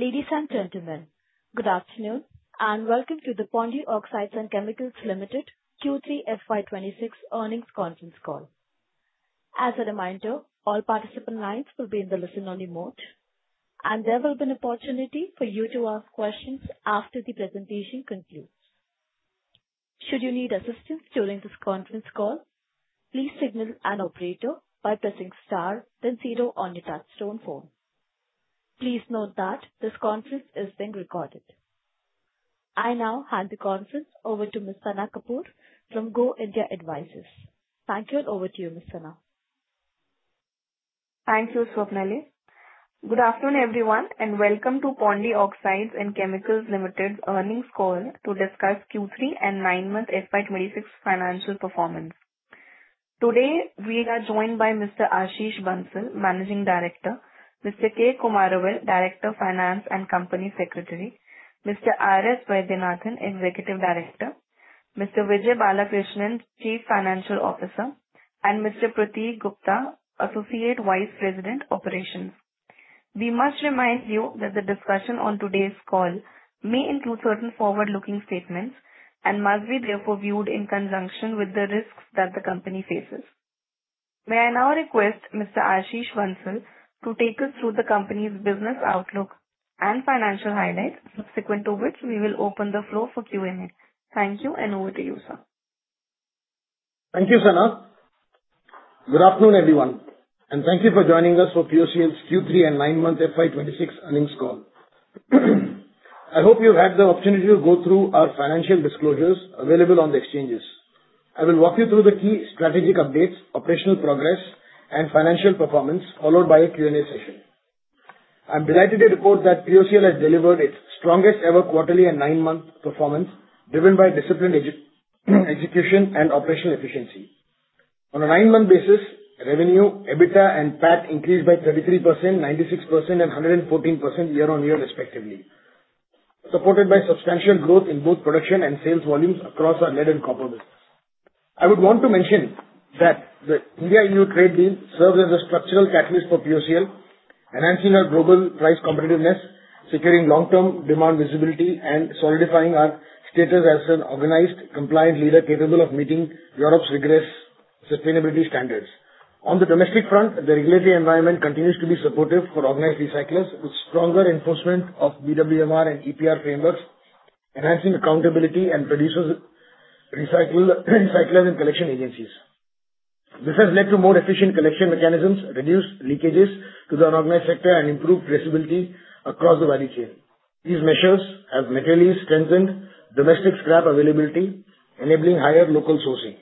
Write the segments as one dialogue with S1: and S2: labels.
S1: Ladies and gentlemen, good afternoon. Welcome to the Pondy Oxides & Chemicals Limited Q3 FY 2026 earnings conference call. As a reminder, all participant lines will be in the listen-only mode, and there will be an opportunity for you to ask questions after the presentation concludes. Should you need assistance during this conference call, please signal an operator by pressing star then zero on your touchtone phone. Please note that this conference is being recorded. I now hand the conference over to Ms. Sana Kapoor from Go India Advisors. Thank you, and over to you, Ms. Sana.
S2: Thank you, Swapnali. Good afternoon, everyone, and welcome to Pondy Oxides & Chemicals Limited earnings call to discuss Q3 and nine-month FY 2026 financial performance. Today, we are joined by Mr. Ashish Bansal, Managing Director, Mr. K. Kumaravel, Director of Finance and Company Secretary, Mr. R.S. Vaidhyanathan, Executive Director, Mr. Vijay Balakrishnan, Chief Financial Officer, and Mr. Pratik Gupta, Associate Vice President Operations. We must remind you that the discussion on today's call may include certain forward-looking statements and must be therefore viewed in conjunction with the risks that the company faces. May I now request Mr. Ashish Bansal to take us through the company's business outlook and financial highlights, subsequent to which we will open the floor for Q&A. Thank you, over to you, sir.
S3: Thank you, Sana. Good afternoon, everyone, and thank you for joining us for POCL's Q3 and nine-month FY 2026 earnings call. I hope you've had the opportunity to go through our financial disclosures available on the exchanges. I will walk you through the key strategic updates, operational progress, and financial performance, followed by a Q&A session. I'm delighted to report that POCL has delivered its strongest ever quarterly and nine-month performance, driven by disciplined execution and operational efficiency. On a nine-month basis, revenue, EBITDA, and PAT increased by 33%, 96%, and 114% year-on-year respectively, supported by substantial growth in both production and sales volumes across our lead and copper business. I would want to mention that the India EU trade deal serves as a structural catalyst for POCL, enhancing our global price competitiveness, securing long-term demand visibility, and solidifying our status as an organized, compliant leader capable of meeting Europe's rigorous sustainability standards. On the domestic front, the regulatory environment continues to be supportive for organized recyclers, with stronger enforcement of BWMR and EPR frameworks, enhancing accountability and producers recycle, recyclers and collection agencies. This has led to more efficient collection mechanisms, reduced leakages to the unorganized sector, and improved traceability across the value chain. These measures have materially strengthened domestic scrap availability, enabling higher local sourcing.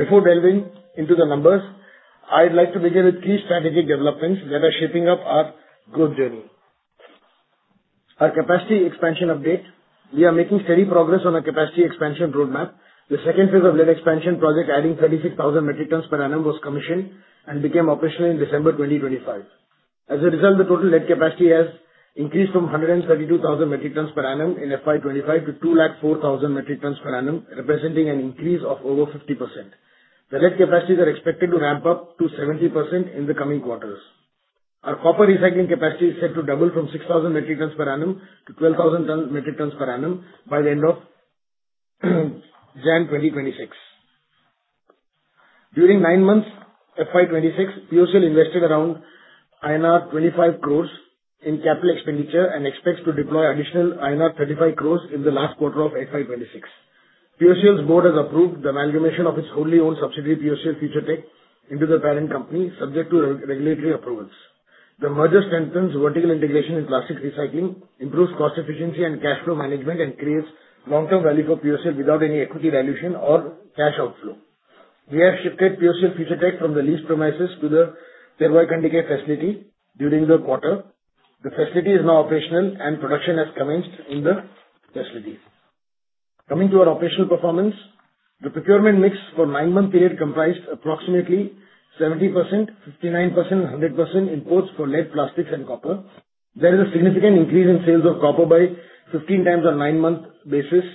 S3: Before delving into the numbers, I'd like to begin with three strategic developments that are shaping up our growth journey. Our capacity expansion update. We are making steady progress on our capacity expansion roadmap. The second phase of lead expansion project, adding 36,000 metric tons per annum, was commissioned and became operational in December 2025. As a result, the total lead capacity has increased from 132,000 metric tons per annum in FY 2025 to 204,000 metric tons per annum, representing an increase of over 50%. The lead capacities are expected to ramp up to 70% in the coming quarters. Our copper recycling capacity is set to double from 6,000 metric tons per annum to 12,000 ton metric tons per annum by the end of January 2026. During nine months FY 2026, POCL invested around INR 25 crores in capital expenditure and expects to deploy additional INR 35 crores in the last quarter of FY 2026. POCL's board has approved the amalgamation of its wholly owned subsidiary, POCL Future Tech, into the parent company, subject to regulatory approvals. The merger strengthens vertical integration in plastic recycling, improves cost efficiency and cash flow management, and creates long-term value for POCL without any equity dilution or cash outflow. We have shifted POCL Future Tech from the leased premises to the Thervoykandigai facility during the quarter. The facility is now operational, and production has commenced in the facility. Coming to our operational performance. The procurement mix for nine-month period comprised approximately 70%, 59%, and 100% imports for lead, plastics, and copper. There is a significant increase in sales of copper by 15x on nine-month basis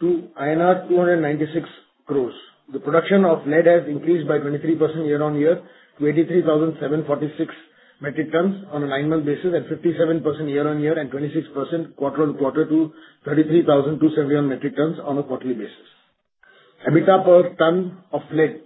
S3: to INR 296 crores. The production of lead has increased by 23% year-on-year to 83,746 metric tons on a nine-month basis, at 57% year-on-year and 26% quarter-on-quarter to 33,271 metric tons on a quarterly basis. EBITDA per ton of lead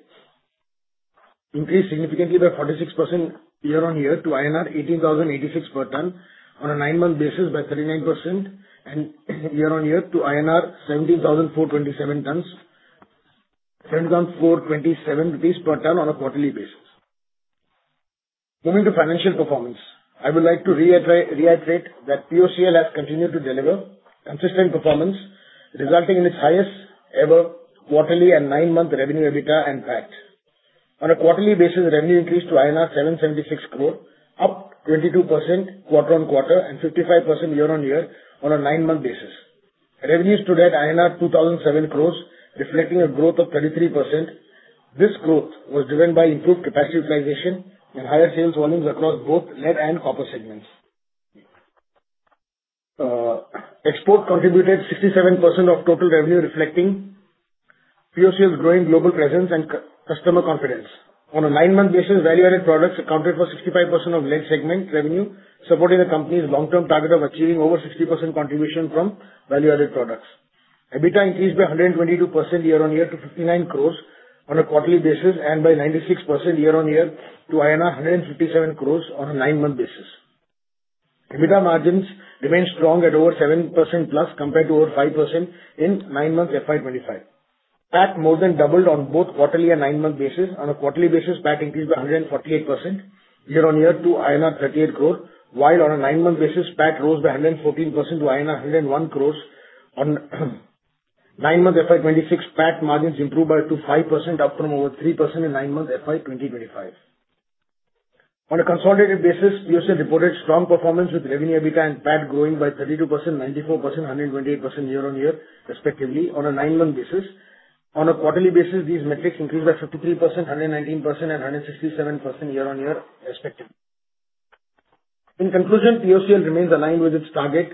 S3: increased significantly by 46% year-on-year to INR 18,086 per ton on a nine-month basis by 39%, and year-on-year to INR 17,427 per ton on a quarterly basis. Moving to financial performance. I would like to reiterate that POCL has continued to deliver consistent performance, resulting in its highest ever quarterly and nine-month revenue, EBITDA, and PAT. On a quarterly basis, revenue increased to INR 776 crore, up 22% quarter-on-quarter and 55% year-on-year on a nine-month basis. Revenues stood at INR 2,007 crores, reflecting a growth of 23%. This growth was driven by improved capacity utilization and higher sales volumes across both lead and copper segments. Export contributed 67% of total revenue reflecting POCL's growing global presence and customer confidence. On a nine-month basis, value-added products accounted for 65% of lead segment revenue, supporting the company's long-term target of achieving over 60% contribution from value-added products. EBITDA increased by 122% year-over-year to 59 crores on a quarterly basis and by 96% year-over-year to INR 157 crores on a nine-month basis. EBITDA margins remained strong at over 7% plus compared to over 5% in nine months FY 2025. PAT more than doubled on both quarterly and nine-month basis. On a quarterly basis, PAT increased by 148% year-over-year to INR 38 crore, while on a nine-month basis, PAT rose by 114% to INR 101 crores. On nine-month FY 2026, PAT margins improved by up to 5%, up from over 3% in nine-month FY 2025. On a consolidated basis, POCL reported strong performance with revenue, EBITDA, and PAT growing by 32%, 94%, 128% year-on-year respectively on a nine-month basis. On a quarterly basis, these metrics increased by 53%, 119%, and 167% year-on-year respectively. In conclusion, POCL remains aligned with its Target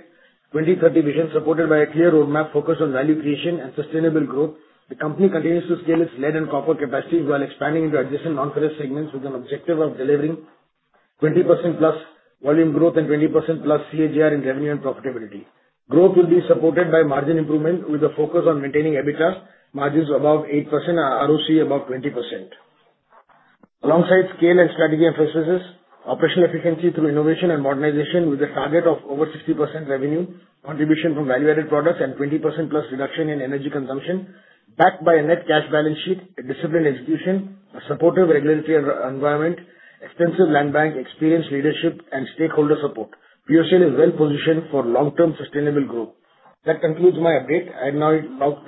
S3: 2030 vision, supported by a clear roadmap focused on value creation and sustainable growth. The company continues to scale its lead and copper capacity while expanding into adjacent non-ferrous segments with an objective of delivering 20%+ volume growth and 20%+ CAGR in revenue and profitability. Growth will be supported by margin improvement, with a focus on maintaining EBITDA margins above 8% and ROC above 20%. Alongside scale and strategy emphasis, operational efficiency through innovation and modernization with a target of over 60% revenue contribution from value-added products and 20% plus reduction in energy consumption, backed by a net cash balance sheet, a disciplined execution, a supportive regulatory environment, extensive land bank, experienced leadership, and stakeholder support. POCL is well-positioned for long-term sustainable growth. That concludes my update. I'd now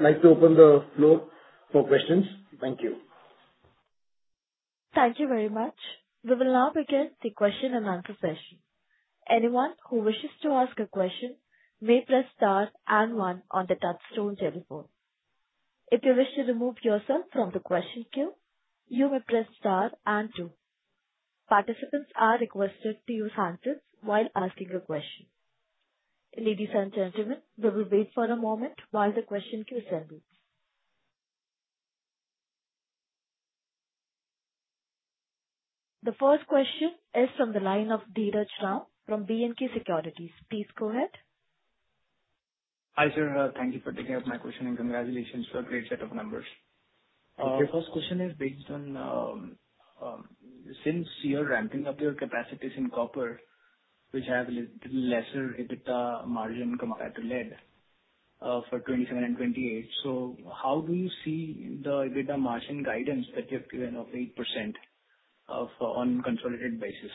S3: like to open the floor for questions. Thank you.
S1: Thank you very much. We will now begin the question and answer session. Anyone who wishes to ask a question may press star and one on the touchtone telephone. If you wish to remove yourself from the questions queue you may press star and two. Participants are requested to use handset while asking a question. Ladies and gentlemen, we will wait for a moment while the question queue is handled. The first question is from the line of Dheeraj Ram from BNK Securities. Please go ahead.
S4: Hi, sir. Thank you for taking up my question. Congratulations for a great set of numbers.
S3: Okay.
S4: My first question is based on, since you're ramping up your capacities in copper, which have lesser EBITDA margin compared to lead for 2027 and 2028. How do you see the EBITDA margin guidance that you have given of 8% on a consolidated basis?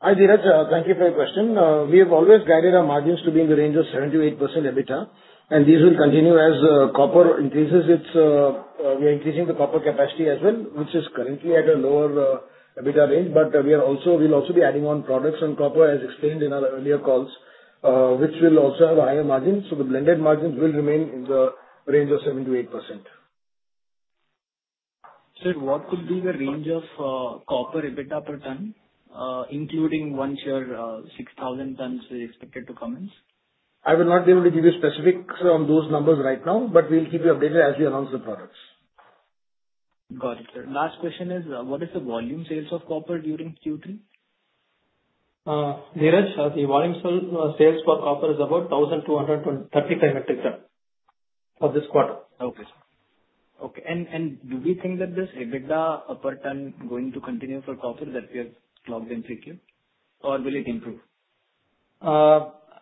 S3: Hi, Dheeraj. Thank you for your question. We have always guided our margins to be in the range of 7%-8% EBITDA. These will continue as we are increasing the copper capacity as well, which is currently at a lower EBITDA range. We'll also be adding on products on copper, as explained in our earlier calls, which will also have higher margins. The blended margins will remain in the range of 7%-8%.
S4: Sir, what could be the range of copper EBITDA per ton, including once your 6,000 tons is expected to commence?
S3: I will not be able to give you specifics on those numbers right now, but we'll keep you updated as we announce the products.
S4: Got it, sir. Last question is, what is the volume sales of copper during Q3?
S5: Dheeraj, the volume sales for copper is about 1,235 metric ton for this quarter.
S4: Okay, sir. Okay. Do we think that this EBITDA per ton is going to continue for copper that we have logged in 3Q, or will it improve?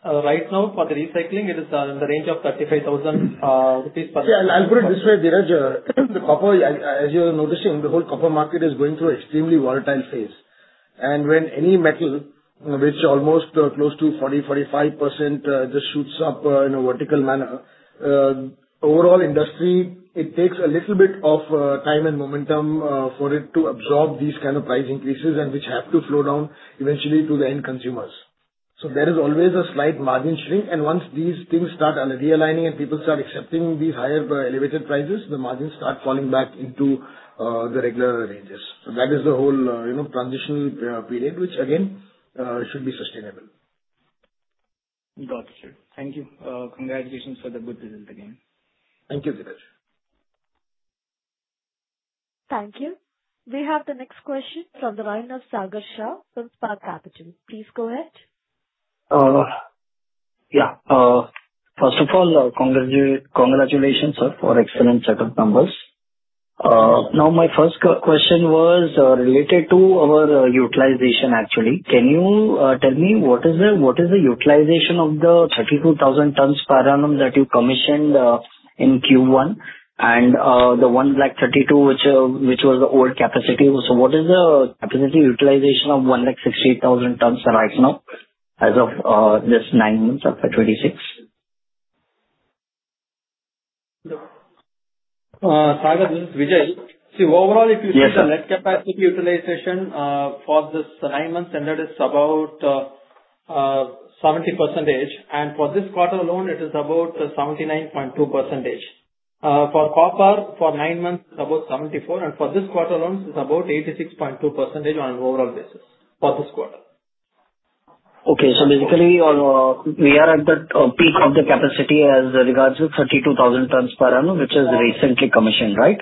S5: Right now for the recycling, it is in the range of 35,000 rupees per ton.
S3: Yeah, I'll put it this way, Dheeraj. The copper, as you are noticing, the whole copper market is going through extremely volatile phase. When any metal, which almost close to 40%, 45%, just shoots up in a vertical manner, overall industry, it takes a little bit of time and momentum for it to absorb these kind of price increases and which have to flow down eventually to the end consumers. There is always a slight margin shrink, and once these things start realigning and people start accepting these higher elevated prices, the margins start falling back into the regular ranges. That is the whole transitional period, which again, should be sustainable.
S4: Got it, sir. Thank you. Congratulations for the good result again.
S3: Thank you, Dheeraj.
S1: Thank you. We have the next question from the line of Sagar Shah from Spark Capital. Please go ahead.
S6: First of all, congratulations, sir, for excellent set of numbers. My first question was related to our utilization, actually. Can you tell me what is the utilization of the 32,000 tons per annum that you commissioned in Q1 and the 132,000 tons, which was the old capacity? What is the capacity utilization of 168,000 tons right now as of this nine months of FY 2026?
S5: Sagar, this is Vijay.
S6: Yes, sir.
S5: The net capacity utilization for this nine months ended, it's about 70%. For this quarter alone, it is about 79.2%. For copper, for nine months, about 74%. For this quarter alone, it's about 86.2% on overall basis, for this quarter.
S6: Okay. Basically, we are at that peak of the capacity as regards to 32,000 tons per annum, which is recently commissioned, right?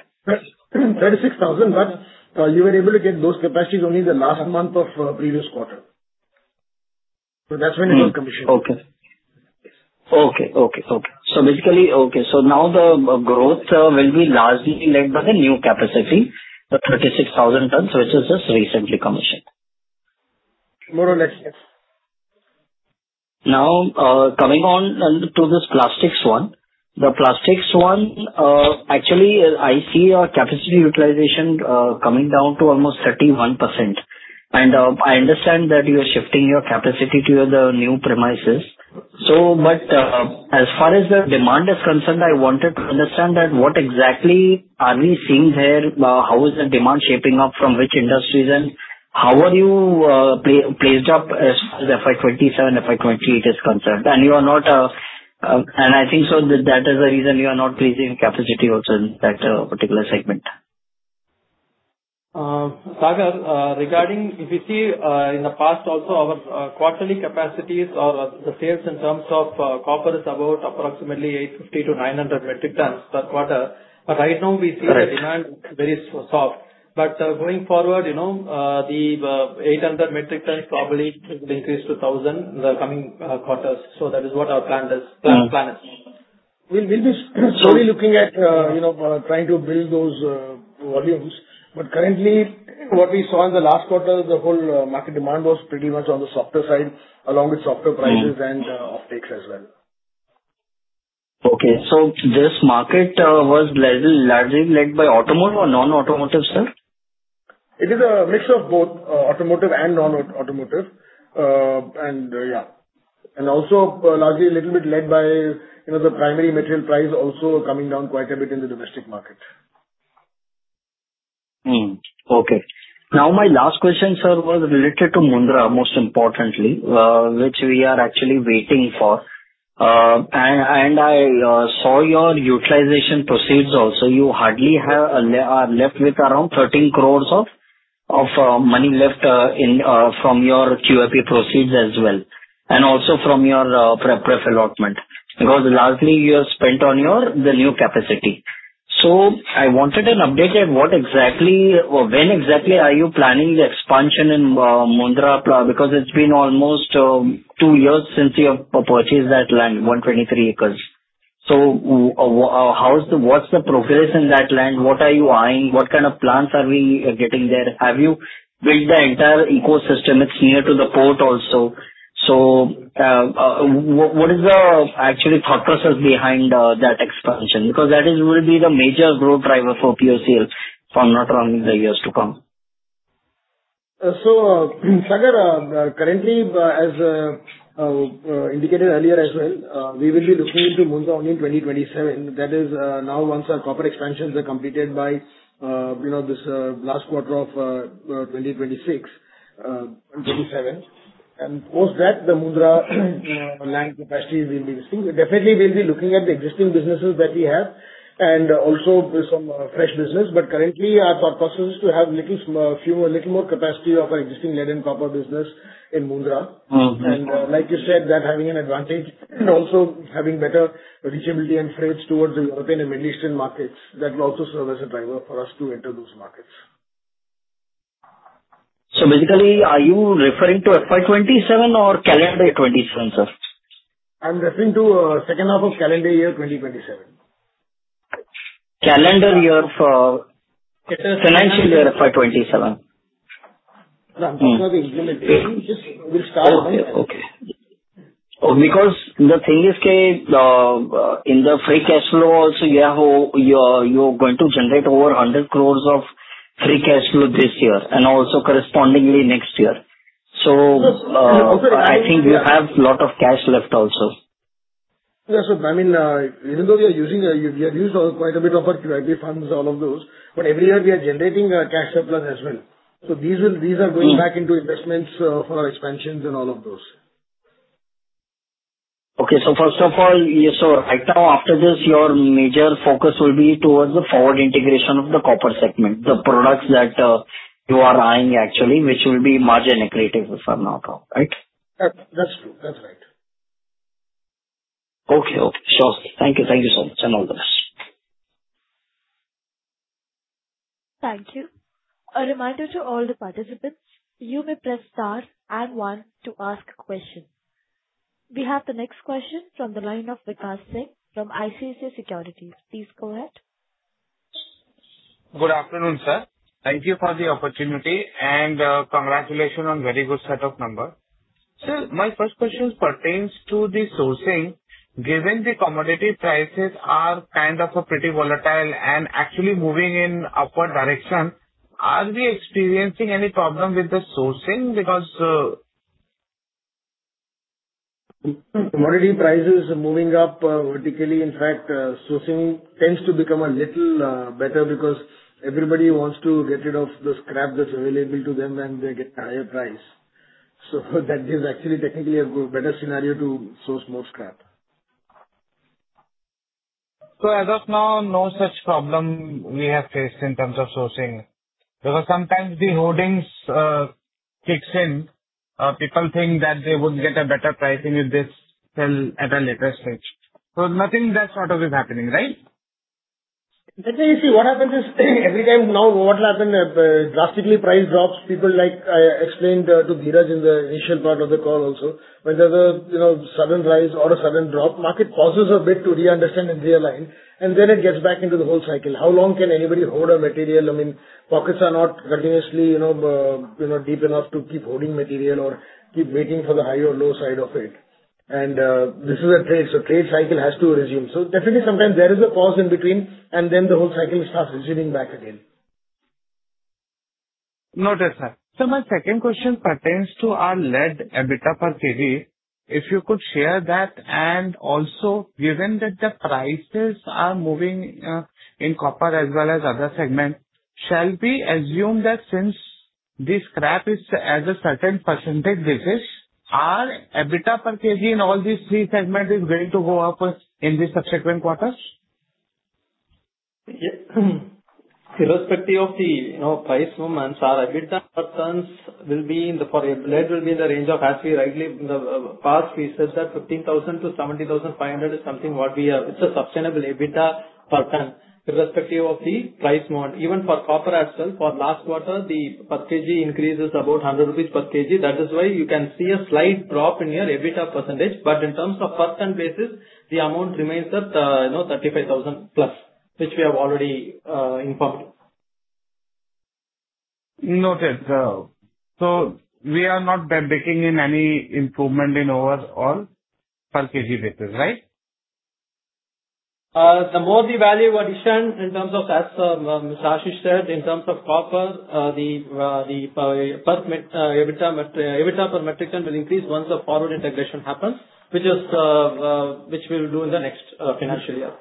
S3: 36,000, you were able to get those capacities only the last month of previous quarter. That's when it got commissioned.
S6: Okay. Basically, now the growth will be largely led by the new capacity, the 36,000 tons, which is just recently commissioned.
S3: More or less, yes.
S6: Coming on to this plastics one. The plastics one, actually, I see our capacity utilization coming down to almost 31%, and I understand that you are shifting your capacity to the new premises. As far as the demand is concerned, I wanted to understand that what exactly are we seeing there? How is the demand shaping up? From which industries, how are you placed up as far as FY 2027, FY 2028 is concerned? I think so that is the reason you are not increasing capacity also in that particular segment.
S5: Sagar, regarding if you see in the past also our quarterly capacities or the sales in terms of copper is about approximately 850 to 900 metric tons per quarter.
S6: Right
S5: the demand very soft. Going forward, the 800 metric tons probably could increase to 1,000 in the coming quarters. That is what our plan is.
S3: We'll be slowly looking at trying to build those volumes. Currently, what we saw in the last quarter, the whole market demand was pretty much on the softer side, along with softer prices. Off takes as well.
S6: Okay. This market was largely led by automotive or non-automotive, sir?
S3: It is a mixture of both automotive and non-automotive. Also largely a little bit led by the primary material price also coming down quite a bit in the domestic market.
S6: Okay. My last question, sir, was related to Mundra, most importantly, which we are actually waiting for. I saw your utilization proceeds also. You hardly are left with around 13 crore of money left from your QIP proceeds as well, and also from your pref allotment. Largely you have spent on the new capacity. I wanted an update at what exactly, or when exactly are you planning the expansion in Mundra? It's been almost two years since you have purchased that land, 123 acres. What's the progress in that land? What are you eyeing? What kind of plants are we getting there? Have you built the entire ecosystem? It's near to the port also. What is the actually thought process behind that expansion? That will be the major growth driver for POCL from now till in the years to come.
S3: Sagar, currently, as indicated earlier as well, we will be looking into Mundra only in 2027. That is, now once our copper expansions are completed by this last quarter of 2026, in 2027. Post that, the Mundra land capacity will be existing. Definitely, we'll be looking at the existing businesses that we have and also do some fresh business. Currently, our thought process is to have little more capacity of our existing lead and copper business in Mundra. Like you said, that having an advantage, also having better reachability and freights towards the European and Middle Eastern markets, that will also serve as a driver for us to enter those markets.
S6: Basically, are you referring to FY 2027 or calendar 2027, sir?
S3: I'm referring to second half of calendar year 2027.
S6: Calendar year
S3: It is-
S6: financial year FY 2027.
S3: No, I'm talking about the implementation.
S6: Okay. The thing is, in the free cash flow also, you're going to generate over 100 crore of free cash flow this year and also correspondingly next year.
S3: Yes
S6: I think you have lot of cash left also.
S3: Yes. I mean, even though we have used quite a bit of our QIP funds, all of those, every year we are generating cash surplus as well. These are going back into investments for our expansions and all of those.
S6: Okay. First of all, right now after this, your major focus will be towards the forward integration of the copper segment, the products that you are eyeing actually, which will be margin accretive, if I'm not wrong. Right?
S3: That's true. That's right.
S6: Okay. Sure. Thank you. Thank you so much, and all the best.
S1: Thank you. A reminder to all the participants, you may press star and one to ask questions. We have the next question from the line of Vikas Singh from ICICI Securities. Please go ahead.
S7: Good afternoon, sir. Thank you for the opportunity and congratulations on very good set of numbers. Sir, my first question pertains to the sourcing, given the commodity prices are kind of pretty volatile and actually moving in upward direction. Are we experiencing any problem with the sourcing because?
S3: Commodity prices are moving up vertically. Sourcing tends to become a little better because everybody wants to get rid of the scrap that's available to them, and they get higher price. That is actually technically a better scenario to source more scrap.
S7: As of now, no such problem we have faced in terms of sourcing. Sometimes the hoarding kicks in. People think that they would get a better pricing if they sell at a later stage. Nothing of that sort is happening, right?
S3: Let me see. What happens is every time now what will happen, if drastically price drops, people like I explained to Dheeraj in the initial part of the call also, when there's a sudden rise or a sudden drop, market pauses a bit to re-understand and realign, and then it gets back into the whole cycle. How long can anybody hold a material? Pockets are not continuously deep enough to keep hoarding material or keep waiting for the high or low side of it. This is a trade, so trade cycle has to resume. Definitely sometimes there is a pause in between and then the whole cycle starts resuming back again.
S7: Noted, sir. My second question pertains to our lead EBITDA per kg, if you could share that. Also, given that the prices are moving in copper as well as other segments, shall we assume that since the scrap is as a certain percentage basis, our EBITDA per kg in all these three segments is going to go up in the subsequent quarters?
S5: Irrespective of the price movements, our EBITDA per tons for lead will be in the range of, as we rightly in the past we said that 15,000-17,500 is something what we have. It's a sustainable EBITDA per ton irrespective of the price mode. Even for copper as well, for last quarter, the per kg increase is about 100 rupees per kg. That is why you can see a slight drop in your EBITDA percentage, but in terms of per ton basis, the amount remains at 35,000 plus, which we have already informed.
S7: Noted. We are not then baking in any improvement in overall per kg basis, right?
S5: The more the value addition in terms of, as Ashish said, in terms of copper, the EBITDA per metric ton will increase once the forward integration happens, which we'll do in the next financial year.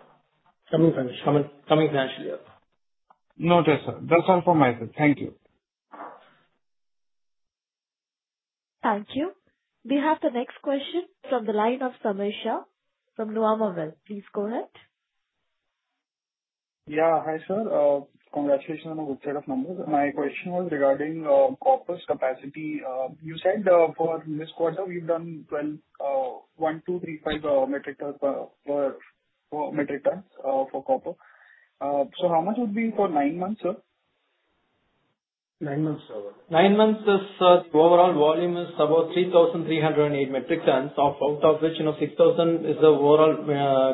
S7: Coming financial year.
S5: Coming financial year.
S7: Noted, sir. That's all from my side. Thank you.
S1: Thank you. We have the next question from the line of Sameesha from Nuvama Wealth. Please go ahead.
S8: Yeah. Hi, sir. Congratulations on a good set of numbers. My question was regarding copper's capacity. You said for this quarter, we've done 1,235 metric tons for copper. How much would be for nine months, sir?
S3: Nine months.
S5: Nine months, this overall volume is about 3,308 metric tons, out of which 6,000 is the overall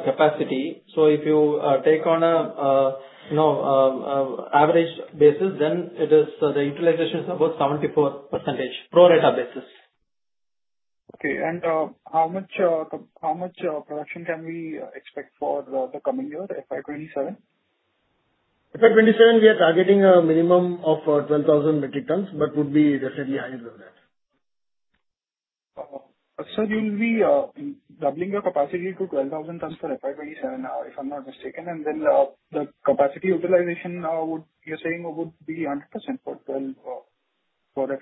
S5: capacity. If you take on an average basis, then the utilization is about 74%, pro rata basis.
S8: Okay. How much production can we expect for the coming year, FY 2027?
S3: FY 2027, we are targeting a minimum of 12,000 metric tons, but would be definitely higher than that.
S8: Sir, you'll be doubling your capacity to 12,000 tons for FY 2027, if I'm not mistaken. The capacity utilization, you're saying would be 100% for FY 2027.
S3: Through the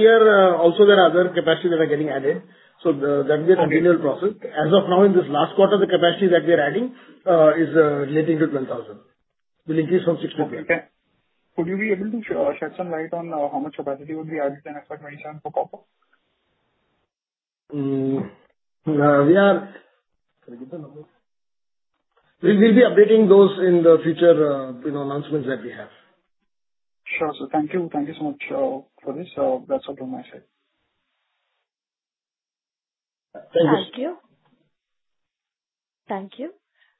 S3: year, also there are other capacity that are getting added. That will be a continual process. As of now, in this last quarter, the capacity that we are adding is relating to 10,000. We'll increase from six to 10.
S8: Okay. Could you be able to shed some light on how much capacity would be added in FY 2027 for copper?
S3: We'll be updating those in the future announcements that we have.
S8: Sure, sir. Thank you. Thank you so much for this. That's all from my side.
S3: Thank you.
S1: Thank you. Thank you.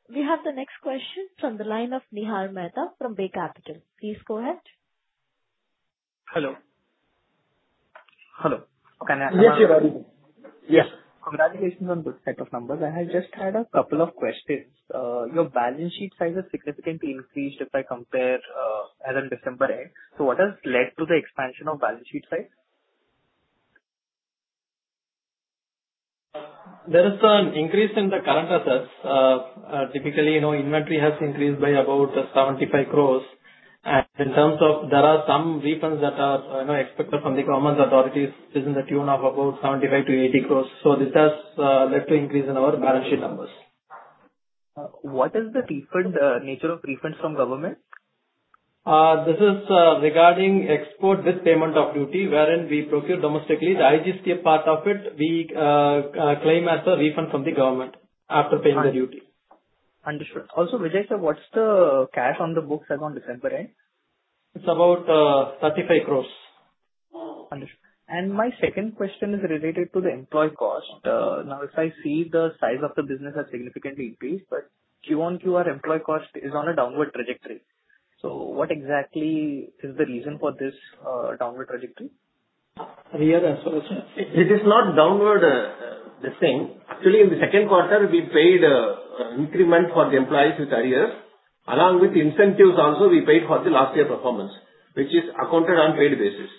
S1: We have the next question from the line of Nihar Mehta from Bay Capital. Please go ahead.
S9: Hello.
S3: Yes, you're audible.
S9: Congratulations on this set of numbers. I just had a couple of questions. Your balance sheet size has significantly increased if I compare as on December end. What has led to the expansion of balance sheet size?
S5: There is an increase in the current assets. Typically, inventory has increased by about 75 crores. In terms of, there are some refunds that are expected from the government authorities, which is in the tune of about 75-80 crores. This has led to increase in our balance sheet numbers.
S9: What is the nature of refunds from government?
S5: This is regarding export with payment of duty, wherein we procure domestically. The IGST part of it, we claim as a refund from the government after paying the duty.
S9: Understood. Vijay sir, what's the cash on the books as on December end?
S5: It's about 35 crores.
S9: Understood. My second question is related to the employee cost. Now, if I see the size of the business has significantly increased, but Q1QR employee cost is on a downward trajectory. What exactly is the reason for this downward trajectory?
S5: It is not downward the same. Actually, in the second quarter, we paid increment for the employees with arrears. Along with incentives also, we paid for the last year performance, which is accounted on paid basis.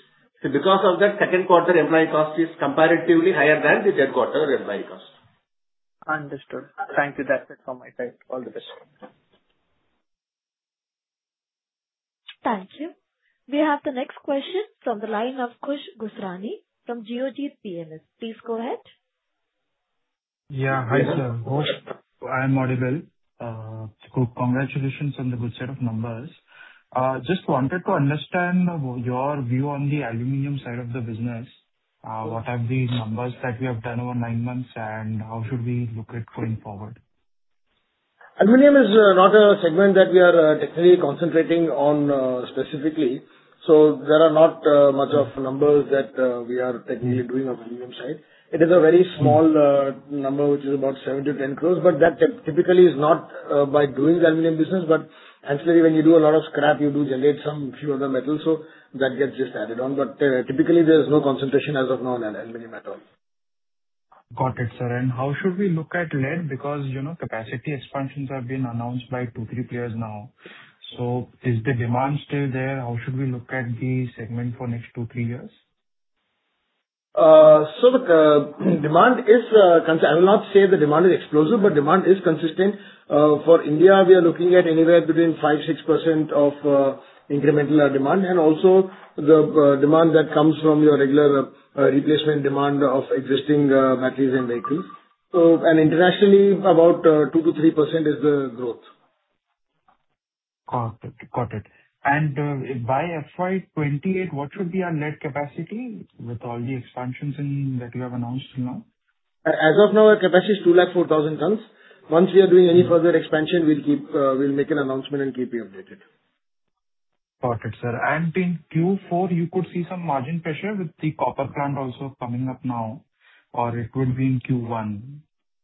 S5: Because of that, second quarter employee cost is comparatively higher than the third quarter employee cost.
S9: Understood. Thank you. That's it from my side. All the best.
S1: Thank you. We have the next question from the line of Khush Gosrani from Geojit PMS. Please go ahead.
S10: Yeah. Hi, sir.
S3: Hello.
S10: I am audible. Congratulations on the good set of numbers. Just wanted to understand your view on the aluminum side of the business. What are the numbers that we have done over nine months, and how should we look at going forward?
S3: Aluminum is not a segment that we are technically concentrating on specifically. There are not much of numbers that we are technically doing on the aluminum side. It is a very small number, which is about 7-10 crores, but that typically is not by doing the aluminum business. Actually, when you do a lot of scrap, you do generate some few other metals, so that gets just added on. Typically, there is no concentration as of now on aluminum at all.
S10: Got it, sir. How should we look at lead? Because capacity expansions have been announced by two, three players now. Is the demand still there? How should we look at the segment for next two, three years?
S3: I will not say the demand is explosive, but demand is consistent. For India, we are looking at anywhere between 5-6% of incremental demand and also the demand that comes from your regular replacement demand of existing batteries and vehicles. Internationally, about 2-3% is the growth.
S10: Got it. By FY 2028, what should be our net capacity with all the expansions that you have announced till now?
S3: As of now, our capacity is 204,000 tons. Once we are doing any further expansion, we'll make an announcement and keep you updated.
S10: Got it, sir. In Q4, you could see some margin pressure with the copper plant also coming up now, or it will be in Q1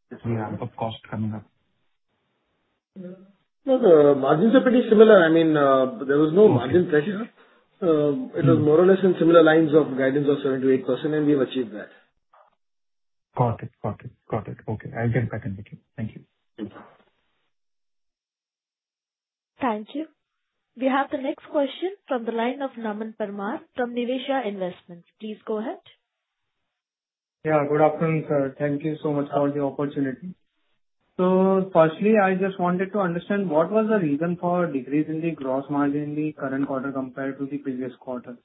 S10: with ramp up cost coming up?
S3: No, the margins are pretty similar. There was no margin pressure. It was more or less in similar lines of guidance of 7-8%, and we've achieved that.
S10: Got it. Okay. I'll get back in with you. Thank you.
S1: Thank you. We have the next question from the line of Naman Parmar from Niveshaay Investments. Please go ahead.
S11: Yeah, good afternoon, sir. Thank you so much for the opportunity. Firstly, I just wanted to understand what was the reason for decrease in the gross margin in the current quarter compared to the previous quarter.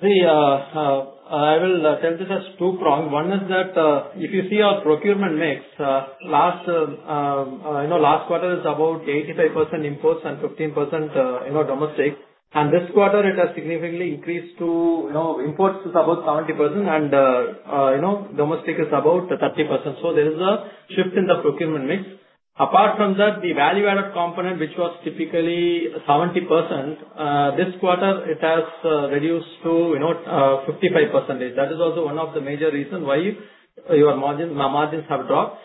S5: I will tell this as two prong. One is that if you see our procurement mix, last quarter is about 85% imports and 15% domestic. This quarter it has significantly increased to imports is about 70% and domestic is about 30%. There is a shift in the procurement mix. Apart from that, the value-added component, which was typically 70%, this quarter it has reduced to 55%. That is also one of the major reason why your margins have dropped.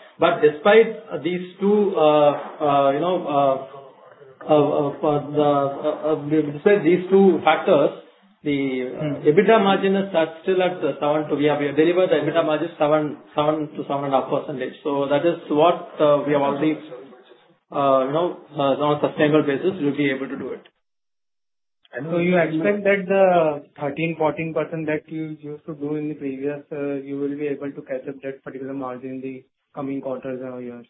S5: Despite these two factors, the EBITDA margin is still at seven. We have delivered the EBITDA margins 7%-7.5%. That is what we have already on a sustainable basis will be able to do it.
S11: You expect that the 13%, 14% that you used to do in the previous you will be able to catch up that particular margin in the coming quarters or years?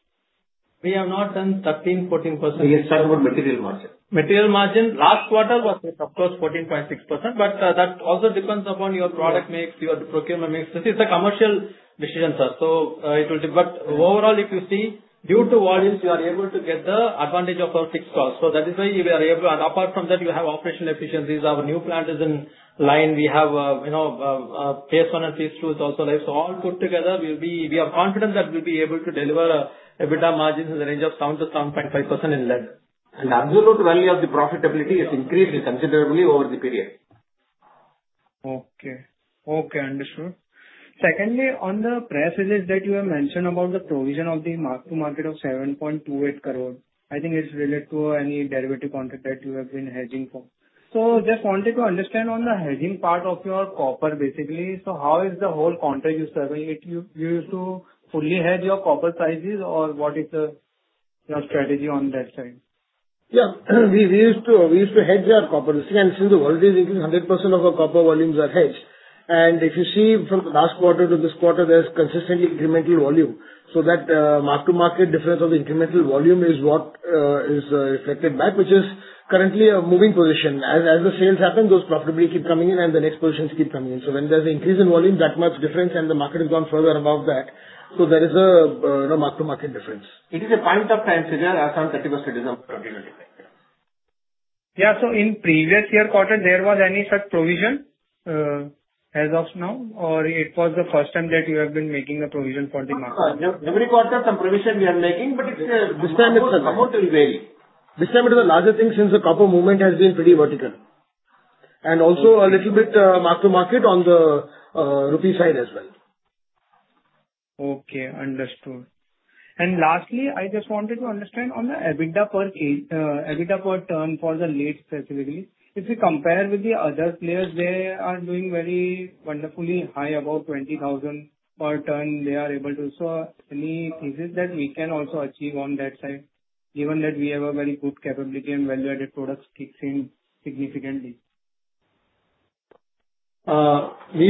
S3: We have not done 13%, 14%.
S11: We are talking about material margin.
S5: Material margin last quarter was of course 14.6%, but that also depends upon your product mix, your procurement mix. This is a commercial decision, sir. Overall, if you see due to volumes, you are able to get the advantage of our fixed cost. That is why we are able. Apart from that, we have operational efficiencies. Our new plant is in line. We have phase one and phase two is also live. All put together, we are confident that we'll be able to deliver EBITDA margins in the range of 7%-7.5% in lead.
S12: Absolute value of the profitability is increased considerably over the period.
S11: Okay. Understood. Secondly, on the press release that you have mentioned about the provision of the mark to market of 7.28 crore. I think it's related to any derivative contract that you have been hedging for. Just wanted to understand on the hedging part of your copper, basically. How is the whole contract you serving it? You used to fully hedge your copper prices or what is your strategy on that side?
S3: Yeah, we used to hedge our copper. Since the volume is increasing, 100% of our copper volumes are hedged. If you see from the last quarter to this quarter, there's consistent incremental volume. That mark to market difference of incremental volume is what is reflected back, which is currently a moving position. As the sales happen, those profitability keep coming in and the next positions keep coming in. When there's an increase in volume that much difference and the market has gone further above that, so there is a mark to market difference.
S12: It is a point of time figure as on 31st it is a particular effect, yeah.
S11: Yeah. In previous year quarter there was any such provision as of now or it was the first time that you have been making a provision for the market?
S3: Every quarter some provision we are making, but the amount will vary. This time it is a larger thing since the copper movement has been pretty vertical. Also a little bit mark to market on the rupee side as well.
S11: Okay, understood. Lastly, I just wanted to understand on the EBITDA per ton for the lead specifically. If you compare with the other players, they are doing very wonderfully high, above 20,000 per ton they are able to. Any chances that we can also achieve on that side given that we have a very good capability and value-added products fixing significantly?
S3: We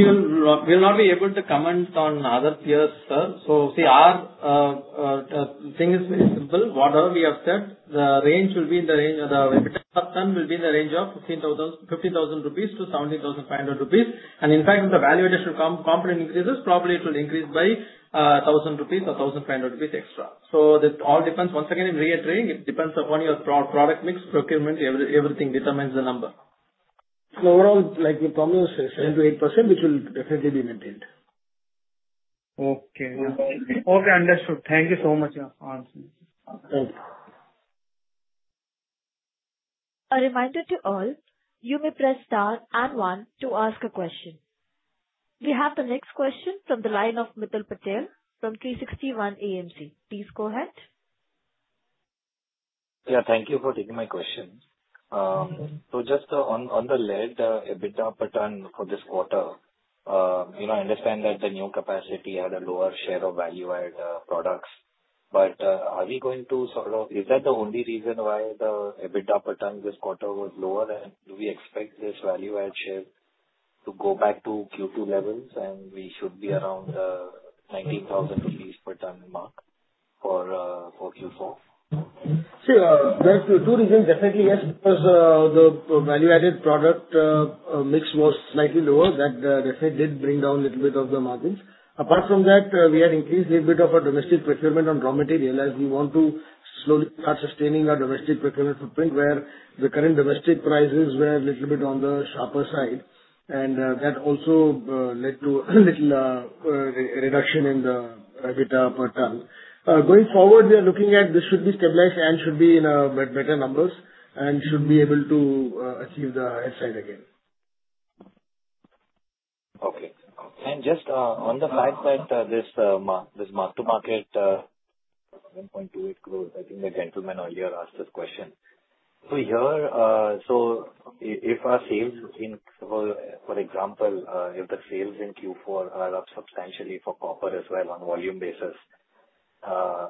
S3: will not be able to comment on other peers, sir. See, our thing is very simple. Whatever we have said, the EBITDA per ton will be in the range of 15,000-17,500 rupees. In fact, if the value addition component increases, probably it will increase by 1,000 rupees or 1,500 rupees extra. This all depends. Once again, I'm reiterating, it depends upon your product mix, procurement, everything determines the number.
S12: Overall, like the promise of 7% to 8%, which will definitely be maintained.
S11: Okay. Understood. Thank you so much for your answers.
S3: Thank you.
S1: A reminder to all, you may press star and one to ask a question. We have the next question from the line of Mitul Patel from 360 ONE Asset. Please go ahead.
S13: Yeah, thank you for taking my question. Just on the lead, EBITDA per ton for this quarter, I understand that the new capacity had a lower share of value-added products. Is that the only reason why the EBITDA per ton this quarter was lower? Do we expect this value-add share to go back to Q2 levels and we should be around 19,000 rupees per ton mark for Q4?
S3: There are two reasons. Definitely, yes, because the value-added product mix was slightly lower. That definitely did bring down a little bit of the margins. Apart from that, we had increased a bit of our domestic procurement on raw material as we want to slowly start sustaining our domestic procurement footprint, where the current domestic prices were little bit on the sharper side. That also led to a little reduction in the EBITDA per ton. Going forward, we are looking at this should be stabilized and should be in better numbers and should be able to achieve the high side again.
S13: Okay. Just on the fact that this mark-to-market, 1.28 crore, I think the gentleman earlier asked this question. If our sales increase, for example, if the sales in Q4 are up substantially for copper as well on volume basis,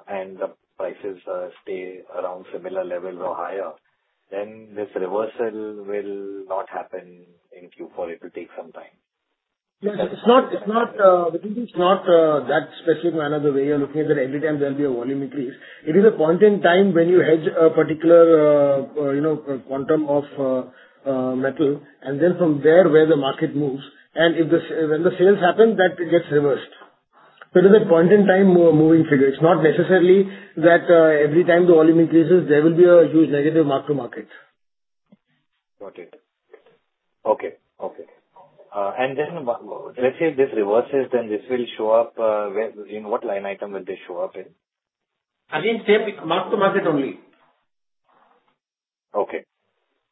S13: and the prices stay around similar levels or higher, then this reversal will not happen in Q4. It will take some time.
S3: Yes. It's not that specific manner the way you're looking at that every time there'll be a volume increase. It is a point in time when you hedge a particular quantum of metal and then from there, where the market moves, and when the sales happen, that gets reversed. It is a point-in-time moving figure. It's not necessarily that every time the volume increases, there will be a huge negative mark to market.
S13: Got it. Okay. Let's say this reverses, then this will show up, in what line item will this show up in?
S3: Again, same mark-to-market only.
S13: Okay.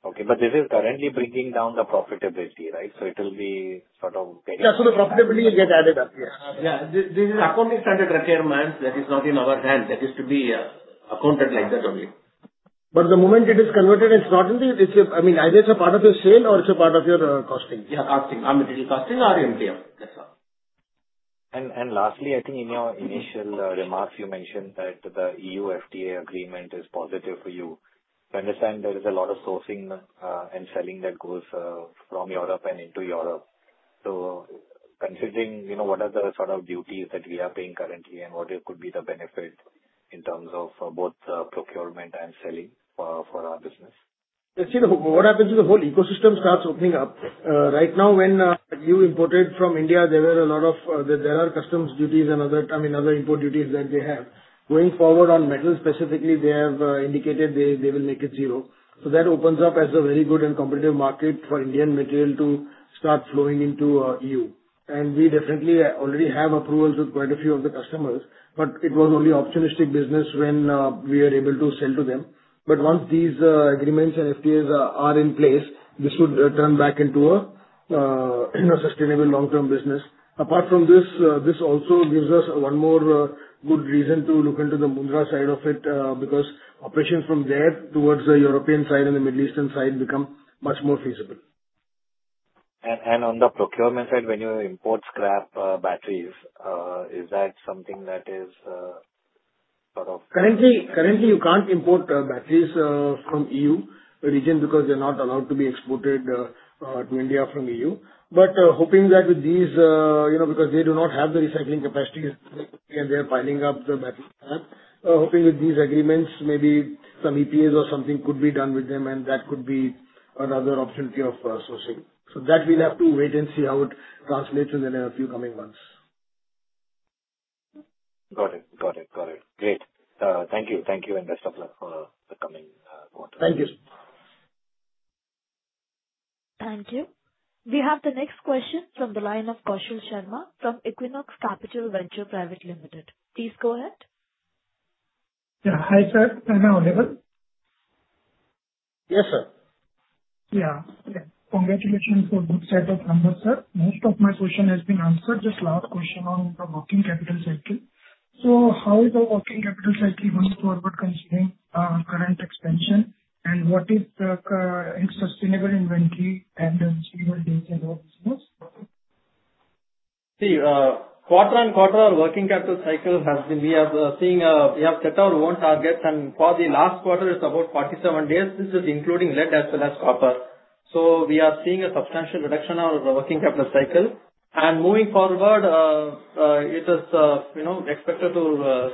S13: This is currently bringing down the profitability, right?
S3: Yeah, the profitability will get added up, yeah.
S5: Yeah. This is accounting standard requirements. That is not in our hand. That is to be accounted like that only.
S3: The moment it is converted, either it's a part of your sale or it's a part of your costing.
S5: Yeah, costing. Either material costing or MTM. That's all.
S13: Lastly, I think in your initial remarks, you mentioned that the EU FTA agreement is positive for you. I understand there is a lot of sourcing and selling that goes from Europe and into Europe. Considering what are the sort of duties that we are paying currently and what could be the benefit in terms of both procurement and selling for our business?
S3: What happens is the whole ecosystem starts opening up. Right now, when EU imported from India, there are customs duties and other import duties that they have. Going forward on metal specifically, they have indicated they will make it zero. That opens up as a very good and competitive market for Indian material to start flowing into EU. We definitely already have approvals with quite a few of the customers, but it was only opportunistic business when we are able to sell to them. Once these agreements and FTAs are in place, this should turn back into a sustainable long-term business. Apart from this also gives us one more good reason to look into the Mundra side of it, because operations from there towards the European side and the Middle Eastern side become much more feasible.
S13: On the procurement side, when you import scrap batteries, is that something that is sort of?
S3: Currently, you can't import batteries from EU region because they're not allowed to be exported to India from EU. Hoping that with these, because they do not have the recycling capacity and they are piling up the battery pack. Hoping with these agreements, maybe some EPAs or something could be done with them, and that could be another opportunity of sourcing. That we'll have to wait and see how it translates within a few coming months.
S13: Got it. Great. Thank you. Thank you, and best of luck for the coming quarter.
S3: Thank you.
S1: Thank you. We have the next question from the line of Kaushal Sharma from Equinox Capital Venture Private Limited. Please go ahead.
S14: Yeah. Hi, sir. Am I audible?
S3: Yes, sir.
S14: Yeah. Congratulations for good set of numbers, sir. Most of my question has been answered. Just last question on the working capital cycle. How is the working capital cycle going forward considering current expansion, and what is the sustainable inventory and sustainable days of business?
S5: Quarter-on-quarter working capital cycle has been we have set our own target and for the last quarter it's about 47 days. This is including lead as well as copper. We are seeing a substantial reduction of the working capital cycle. Moving forward, it is expected to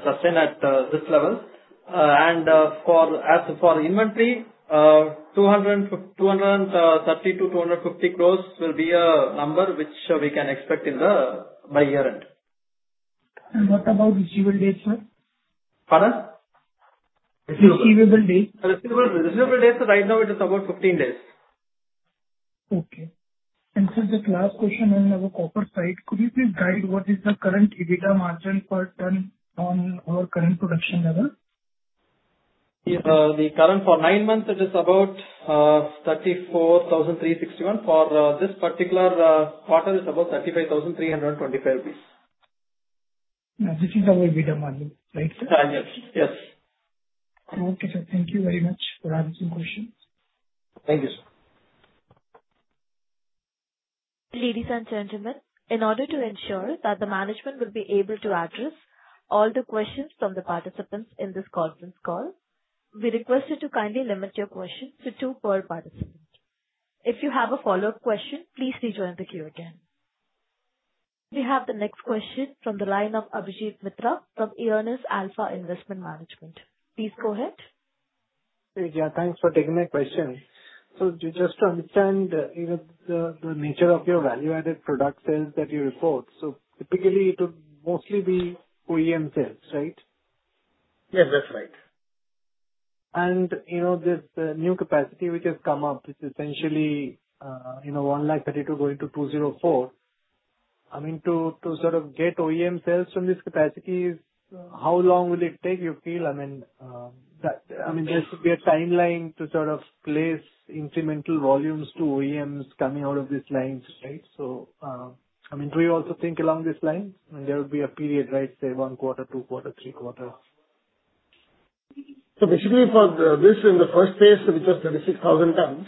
S5: sustain at this level. As for inventory, 230 crores-250 crores will be a number which we can expect by year-end.
S14: What about receivable days, sir?
S5: Pardon?
S14: Receivable days.
S5: Receivable days, right now it is about 15 days.
S14: Okay. Sir, the last question on our copper side, could you please guide what is the current EBITDA margin per ton on our current production level?
S5: The current for nine months, it is about 34,361. For this particular quarter it's about 35,325 rupees.
S14: This is our EBITDA margin, right, sir?
S5: Yes.
S14: Okay, sir. Thank you very much for answering questions.
S5: Thank you, sir.
S1: Ladies and gentlemen, in order to ensure that the management will be able to address all the questions from the participants in this conference call, we request you to kindly limit your questions to two per participant. If you have a follow-up question, please rejoin the queue again. We have the next question from the line of Abhijit Mitra from Earnest Alpha Investment Management. Please go ahead.
S15: Jiya. Thanks for taking my question. Just to understand the nature of your value-added product sales that you report, typically it would mostly be OEM sales, right?
S3: Yes, that's right.
S15: This new capacity which has come up, which is essentially 132,000 going to 204,000, I mean, to sort of get OEM sales from this capacity is how long will it take, you feel? I mean, there should be a timeline to sort of place incremental volumes to OEMs coming out of these lines, right? Do you also think along these lines? There would be a period, right? Say one quarter, two quarter, three quarter.
S3: Basically for this in the first phase, which was 36,000 tons,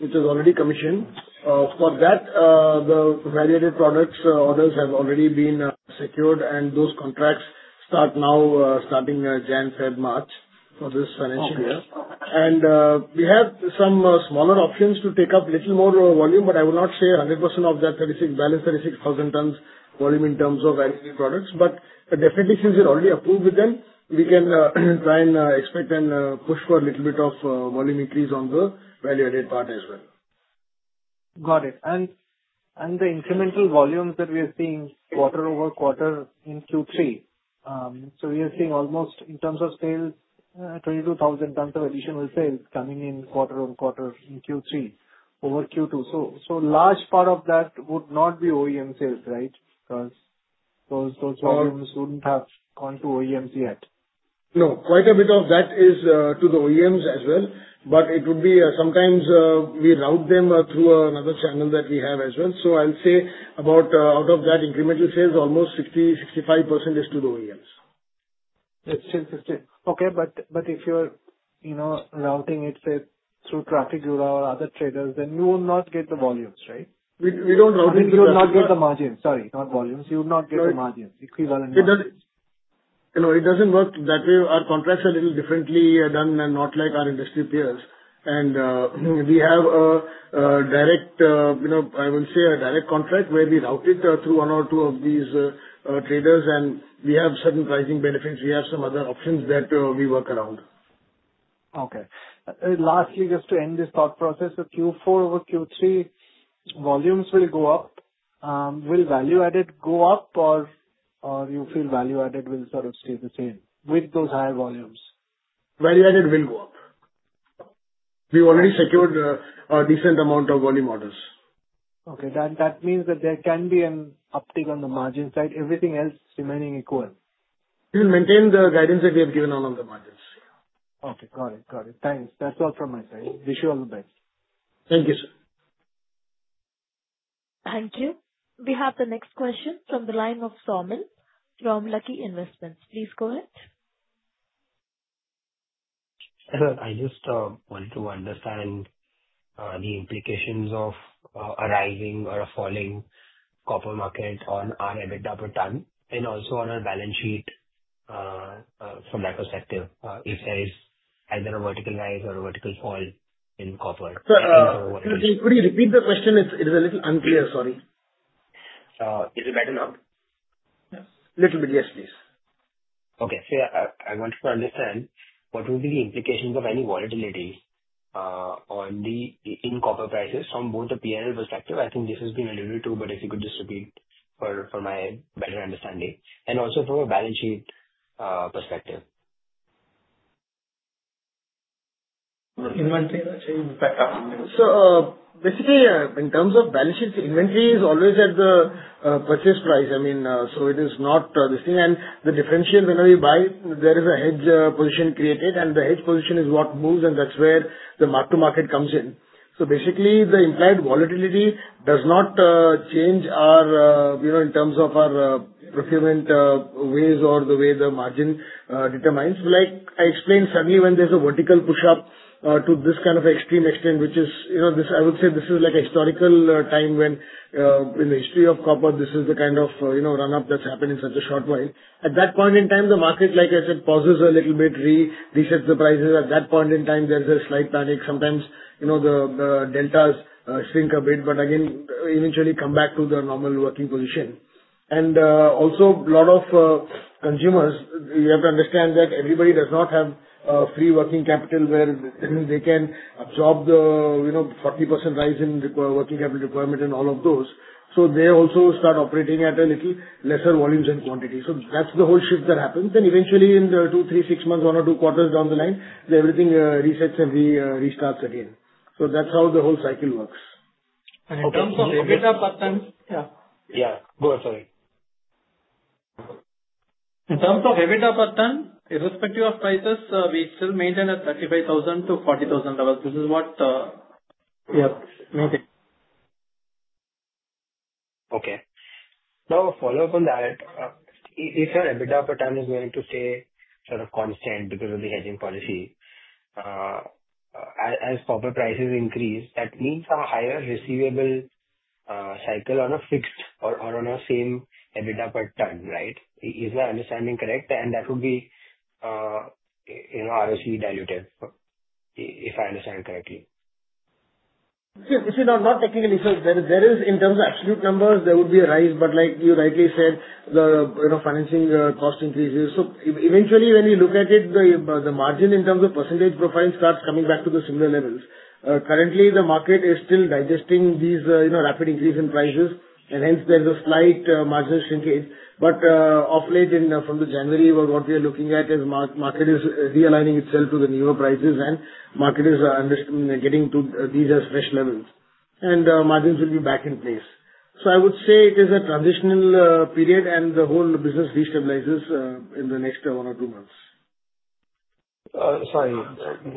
S3: which is already commissioned. For that, the value-added products orders have already been secured and those contracts start now, starting Jan, Feb, March for this financial year.
S15: Okay.
S3: We have some smaller options to take up little more volume, but I will not say 100% of that balance 36,000 tons volume in terms of value-added products, but definitely since we're already approved with them, we can try and expect and push for a little bit of volume increase on the value-added part as well.
S15: Got it. The incremental volumes that we are seeing quarter-over-quarter in Q3, we are seeing almost in terms of sales, 22,000 tons of additional sales coming in quarter-on-quarter in Q3 over Q2. Large part of that would not be OEM sales, right? Because those volumes wouldn't have gone to OEMs yet.
S3: No, quite a bit of that is to the OEMs as well, but it would be sometimes we route them through another channel that we have as well. I'll say about out of that incremental sales, almost 65% is to the OEMs.
S15: Interesting. Okay. If you're routing it say through Trafigura or other traders, then you will not get the volumes, right?
S3: We don't route it.
S15: I mean, you will not get the margin. Sorry, not volumes. You would not get the margins, 65% and above.
S3: It doesn't work that way. Our contracts are little differently done and not like our industry peers. We have a direct, I would say a direct contract where we route it through one or two of these traders, and we have certain pricing benefits. We have some other options that we work around.
S15: Okay. Lastly, just to end this thought process. Q4 over Q3, volumes will go up. Will value-added go up or you feel value-added will sort of stay the same with those higher volumes?
S3: Value-added will go up. We already secured a decent amount of volume orders.
S15: Okay. That means that there can be an uptick on the margin side, everything else remaining equal.
S3: We will maintain the guidance that we have given on all the margins.
S15: Okay, got it. Thanks. That's all from my side. Wish you all the best.
S3: Thank you, sir.
S1: Thank you. We have the next question from the line of Soumil from Lucky Investments. Please go ahead.
S16: Hello. I just want to understand the implications of a rising or a falling copper market on our EBITDA per ton and also on our balance sheet from that perspective. If there is either a vertical rise or a vertical fall in copper.
S3: Sir, could you repeat the question? It is a little unclear, sorry.
S16: Is it better now?
S3: Little bit, yes, please.
S16: Okay. I wanted to understand what would be the implications of any volatility in copper prices from both the P&L perspective, I think this has been alluded to, but if you could just repeat for my better understanding, and also from a balance sheet perspective.
S3: Inventory will change back up. Basically in terms of balance sheet, inventory is always at the purchase price. I mean, it is not this thing. The differentiate whenever you buy, there is a hedge position created, and the hedge position is what moves and that's where the mark to market comes in. Basically, the implied volatility does not change our, in terms of our procurement ways or the way the margin determines. Like I explained, suddenly when there's a vertical push up to this kind of extreme extent, which I would say this is a historical time when in the history of copper, this is the kind of run-up that's happened in such a short while. At that point in time, the market, like I said, pauses a little bit, resets the prices. At that point in time, there's a slight panic. Sometimes, the deltas shrink a bit. Again, eventually come back to the normal working position. Also a lot of consumers, you have to understand that everybody does not have a free working capital where they can absorb the 40% rise in working capital requirement and all of those. They also start operating at a little lesser volumes and quantity. That's the whole shift that happens. Eventually in two, three, six months, one or two quarters down the line, everything resets and restarts again. That's how the whole cycle works.
S16: In terms of EBITDA per tonne.
S3: Yeah. Go ahead, sorry.
S16: In terms of EBITDA per ton, irrespective of prices, we still maintain 35,000-40,000.
S3: Yes. Okay.
S16: Okay. Now a follow-up on that. If your EBITDA per ton is going to stay sort of constant because of the hedging policy, as copper prices increase, that means a higher receivable cycle on a fixed or on a same EBITDA per ton, right? Is my understanding correct? That would be ROC diluted, if I understand correctly.
S3: See, not technically. There is in terms of absolute numbers, there would be a rise. Like you rightly said, the financing cost increases. Eventually when you look at it, the margin in terms of percentage profile starts coming back to the similar levels. Currently, the market is still digesting these rapid increase in prices, and hence there's a slight margin shrinkage. Of late from the January what we are looking at is market is realigning itself to the newer prices and market is getting to these as fresh levels and margins will be back in place. I would say it is a transitional period and the whole business destabilizes in the next one or two months.
S16: Sorry,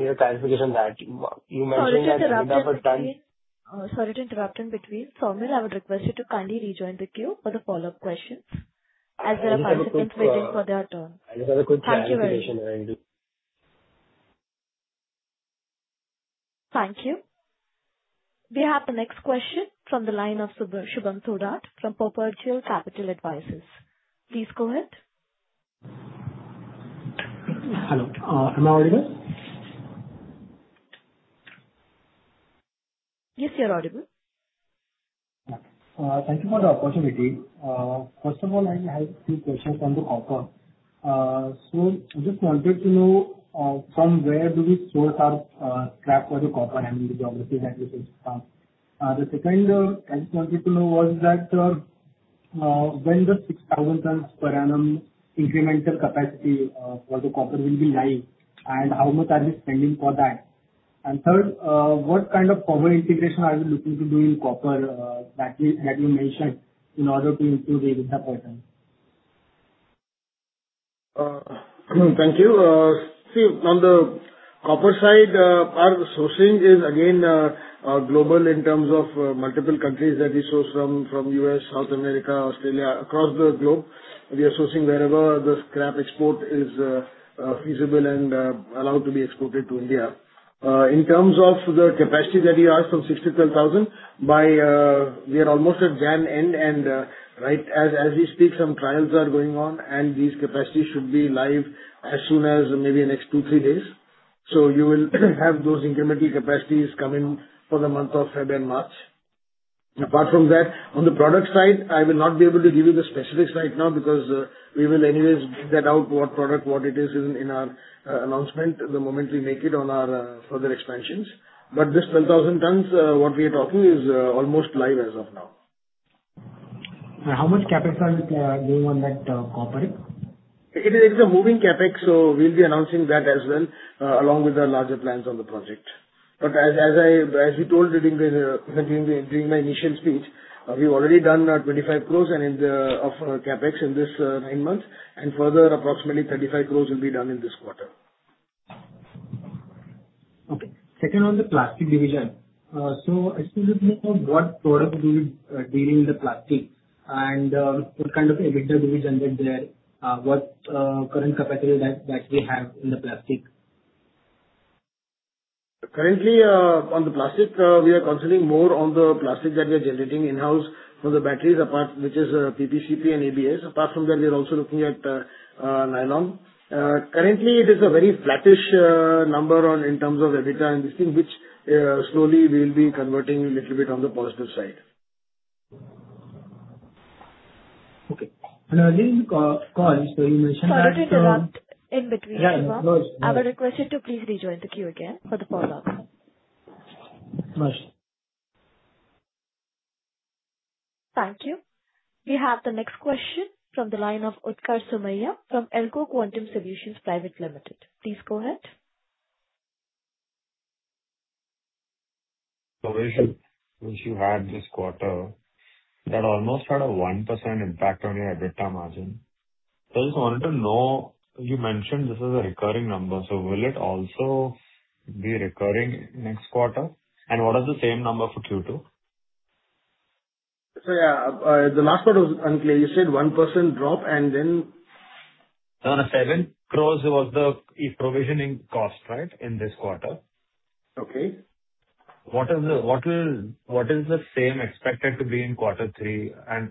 S16: a clarification on that. You mentioned that.
S1: Sorry to interrupt in between. Soumil, I would request you to kindly rejoin the queue for the follow-up questions as there are participants waiting for their turn.
S16: I just have a quick clarification I need to.
S1: Thank you very much. Thank you. We have the next question from the line of Shubham Thorat from Perpetua Capital Advisors. Please go ahead.
S17: Hello. Am I audible?
S1: Yes, you're audible.
S17: Thank you for the opportunity. First of all, I have three questions on the copper. I just wanted to know from where do we source our scrap for the copper and the geography that we source from. The second I just wanted to know was that when the 6,000 tons per annum incremental capacity for the copper will be live and how much are we spending for that. Third, what kind of forward integration are you looking to do in copper that you mentioned in order to improve the EBITDA per tonne?
S3: Thank you. See, on the copper side, our sourcing is again global in terms of multiple countries that we source from, U.S., South America, Australia, across the globe. We are sourcing wherever the scrap export is feasible and allowed to be exported to India. In terms of the capacity that you asked from 6,000-12,000, we are almost at the end, and right as we speak, some trials are going on and these capacities should be live as soon as maybe the next two, three days. You will have those incremental capacities coming for the month of February and March. Apart from that, on the product side, I will not be able to give you the specifics right now because we will anyways give that out, what product, what it is in our announcement the moment we make it on our further expansions. This 12,000 tons, what we are talking is almost live as of now.
S17: How much CapEx are you giving on that copper rig?
S3: It is a moving CapEx. We'll be announcing that as well along with our larger plans on the project. As we told during my initial speech, we've already done 25 crores of CapEx in these nine months, and further approximately 35 crores will be done in this quarter.
S17: Okay. Second on the plastic division. I just wanted to know what product we deal in the plastic and what kind of EBITDA we generate there. What current capacity that we have in the plastic?
S3: Currently, on the plastic, we are considering more on the plastic that we are generating in-house for the batteries apart, which is PP, CP, and ABS. Apart from that, we are also looking at nylon. Currently, it is a very flattish number in terms of EBITDA and this thing, which slowly we'll be converting a little bit on the positive side.
S17: Okay. Again call.
S1: Sorry to interrupt in between.
S17: Yes, please.
S1: I would request you to please rejoin the queue again for the follow-up.
S17: Right.
S1: Thank you. We have the next question from the line of Utkarsh Somaiya from Elco Quantum Solutions Private Limited. Please go ahead.
S18: which you had this quarter that almost had a 1% impact on your EBITDA margin. I just wanted to know, you mentioned this is a recurring number, so will it also be recurring next quarter? What is the same number for Q2?
S3: Sir, yeah. The last part was unclear. You said 1% drop and then?
S18: On a 7 crores was the provisioning cost, right? In this quarter.
S3: Okay.
S18: What is the same expected to be in quarter three and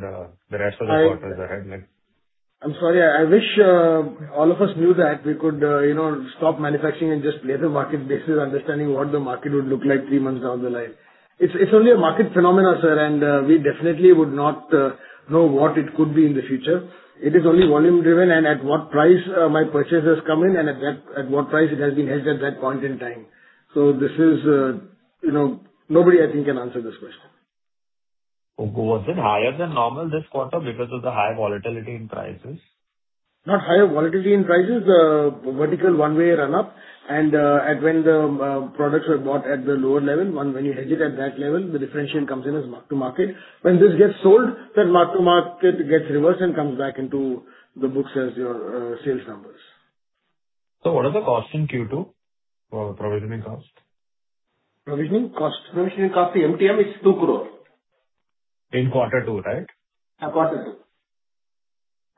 S18: the rest of the quarters ahead next?
S3: I'm sorry. I wish all of us knew that. We could stop manufacturing and just play the market based on understanding what the market would look like three months down the line. It's only a market phenomenon, sir. We definitely would not know what it could be in the future. It is only volume driven and at what price my purchase has come in and at what price it has been hedged at that point in time. Nobody I think can answer this question.
S18: Was it higher than normal this quarter because of the high volatility in prices?
S3: Not higher volatility in prices. Vertical one-way run-up when the products were bought at the lower level. When you hedge it at that level, the differentiation comes in as mark to market. When this gets sold, that mark to market gets reversed and comes back into the books as your sales numbers.
S18: What are the costs in Q2 for provisioning cost?
S3: Provisioning cost? Provisioning cost, the MTM is 2 crore.
S18: In quarter two, right?
S3: Yeah, quarter two.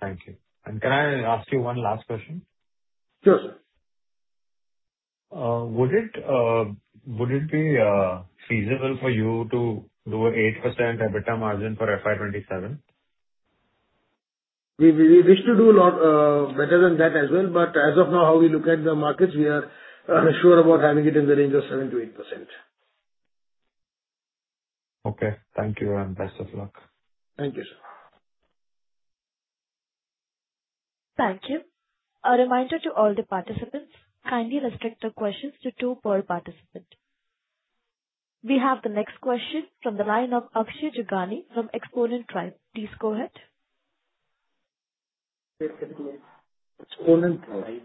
S18: Thank you. Can I ask you one last question?
S3: Sure, sir.
S18: Would it be feasible for you to do an 8% EBITDA margin for FY 2027?
S3: We wish to do a lot better than that as well. As of now, how we look at the markets, we are sure about having it in the range of 7%-8%.
S18: Okay, thank you and best of luck.
S3: Thank you, sir.
S1: Thank you. A reminder to all the participants, kindly restrict the questions to two per participant. We have the next question from the line of Akshay Jugani from Exponent Thrive. Please go ahead.
S3: Yes. Exponent Thrive.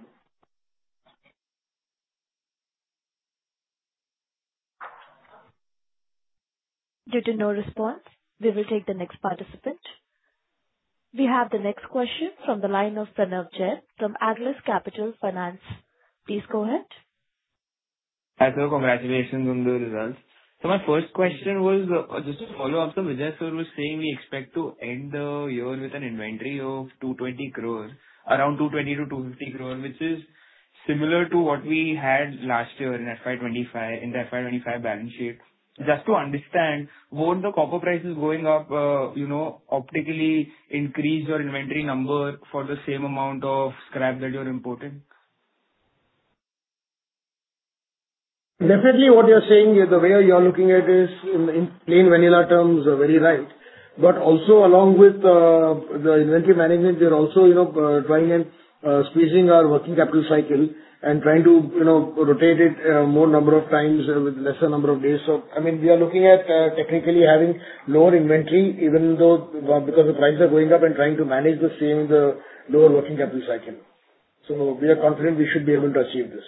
S1: Due to no response, we will take the next participant. We have the next question from the line of Pranav Jain from Atlas Capital Finance. Please go ahead.
S19: Hi, sir. Congratulations on the results. My first question was just a follow-up. Vijay Sir was saying we expect to end the year with an inventory of 220 crore, around 220 crore-250 crore, which is similar to what we had last year in FY 2025 balance sheet. Just to understand, won't the copper prices going up optically increase your inventory number for the same amount of scrap that you're importing?
S3: Definitely what you're saying is the way you are looking at is in plain vanilla terms, very right. Also along with the inventory management, we are also trying and squeezing our working capital cycle and trying to rotate it more number of times with lesser number of days. I mean, we are looking at technically having lower inventory even though because the prices are going up and trying to manage the same lower working capital cycle. We are confident we should be able to achieve this.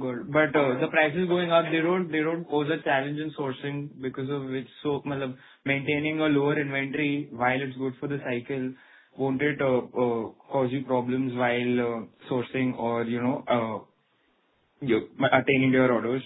S19: Good. The prices going up, they don't cause a challenge in sourcing because of which maintaining a lower inventory while it's good for the cycle, won't it cause you problems while sourcing or attaining your orders?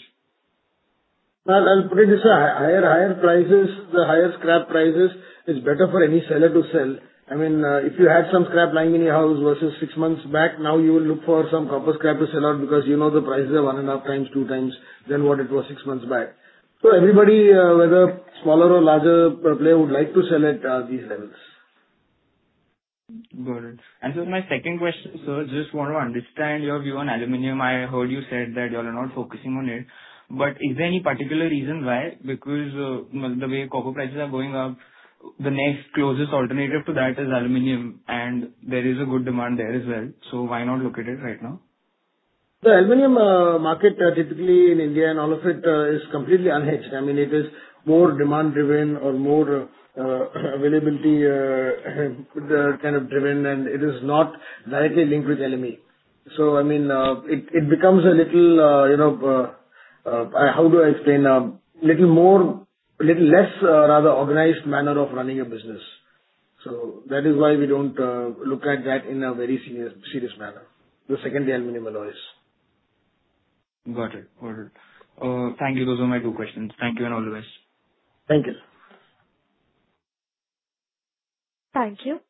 S3: No. I'll put it this way. Higher prices, the higher scrap prices is better for any seller to sell. I mean, if you had some scrap lying in your house versus six months back, now you will look for some copper scrap to sell out because you know the prices are one and a half times, two times than what it was six months back. Everybody, whether smaller or larger player would like to sell at these levels.
S19: Got it. I just want to understand your view on aluminum. I heard you said that you're not focusing on it, is there any particular reason why? The way copper prices are going up, the next closest alternative to that is aluminum and there is a good demand there as well. Why not look at it right now?
S3: The aluminum market typically in India and all of it is completely unhedged. I mean, it is more demand driven or more availability kind of driven, and it is not directly linked with LME. I mean, it becomes a little, how do I explain, little less rather organized manner of running a business. That is why we don't look at that in a very serious manner. The secondary aluminum alloys.
S19: Got it. Thank you. Those are my two questions. Thank you and all the best.
S3: Thank you.
S1: Thank you.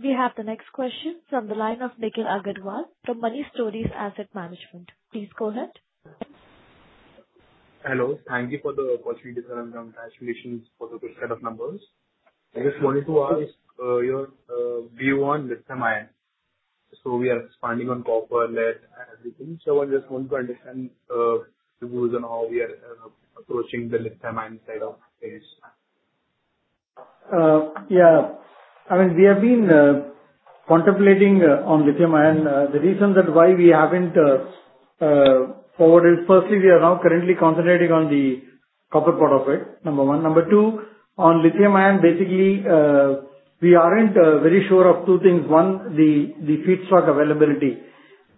S1: We have the next question from the line of Nikhil Agarwal from Money Stories Asset Management. Please go ahead.
S20: Hello. Thank you for the opportunity, sir. Congratulations for the good set of numbers. I just wanted to ask your view on lithium ion. We are expanding on copper, lead, and everything. I just want to understand the rules and how we are approaching the lithium ion side of things.
S3: I mean, we have been contemplating on lithium ion. The reason that why we haven't forwarded, firstly, we are now currently concentrating on the copper part of it, number one. Number two, on lithium ion, basically, we aren't very sure of two things. One, the feedstock availability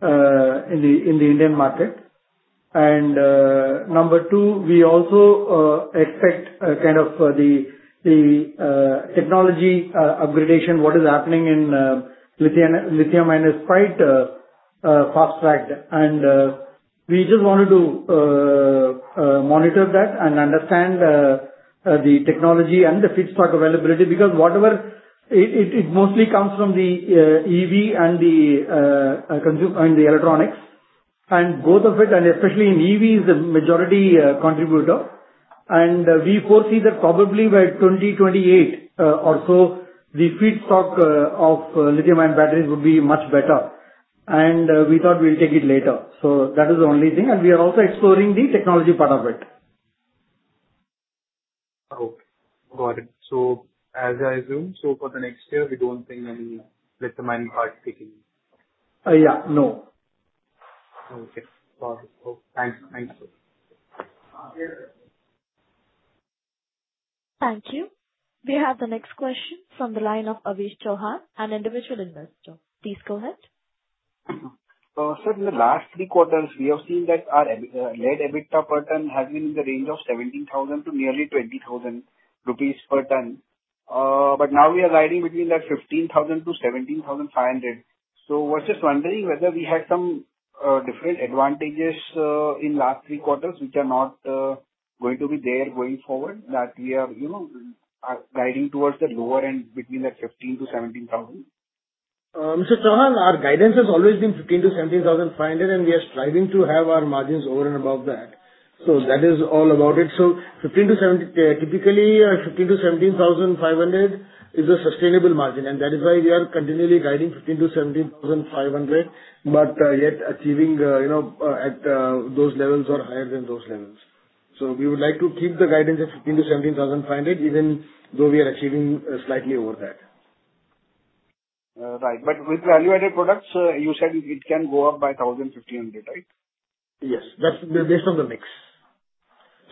S3: in the Indian market. Number two, we also expect kind of the technology up gradation, what is happening in lithium ion is quite fast-tracked. We just wanted to monitor that and understand the technology and the feedstock availability, because it mostly comes from the EV and the electronics, and both of it, and especially in EV, is the majority contributor. We foresee that probably by 2028 or so, the feedstock of lithium-ion batteries would be much better. We thought we'll take it later. That is the only thing. We are also exploring the technology part of it.
S20: Okay. Got it. As I assume, so for the next year, we don't see any lithium-ion part kicking in.
S3: Yeah. No.
S20: Okay. Got it. Thanks.
S1: Thank you. We have the next question from the line of Ashish Chauhan, an individual investor. Please go ahead.
S21: Sir, in the last three quarters, we have seen that our lead EBITDA per ton has been in the range of 17,000 to nearly 20,000 rupees per ton. Now we are guiding between 15,000-17,500. I was just wondering whether we had some different advantages in last three quarters, which are not going to be there going forward, that we are guiding towards the lower end between 15,000-17,000.
S3: Mr. Chauhan, our guidance has always been 15,000-17,500, and we are striving to have our margins over and above that. That is all about it. Typically, 15,000-17,500 is a sustainable margin, and that is why we are continually guiding 15,000-17,500, but yet achieving at those levels or higher than those levels. We would like to keep the guidance of 15,000-17,500, even though we are achieving slightly over that.
S21: Right. With value-added products, you said it can go up by 1,000-1,500, right?
S3: Yes. That's based on the mix.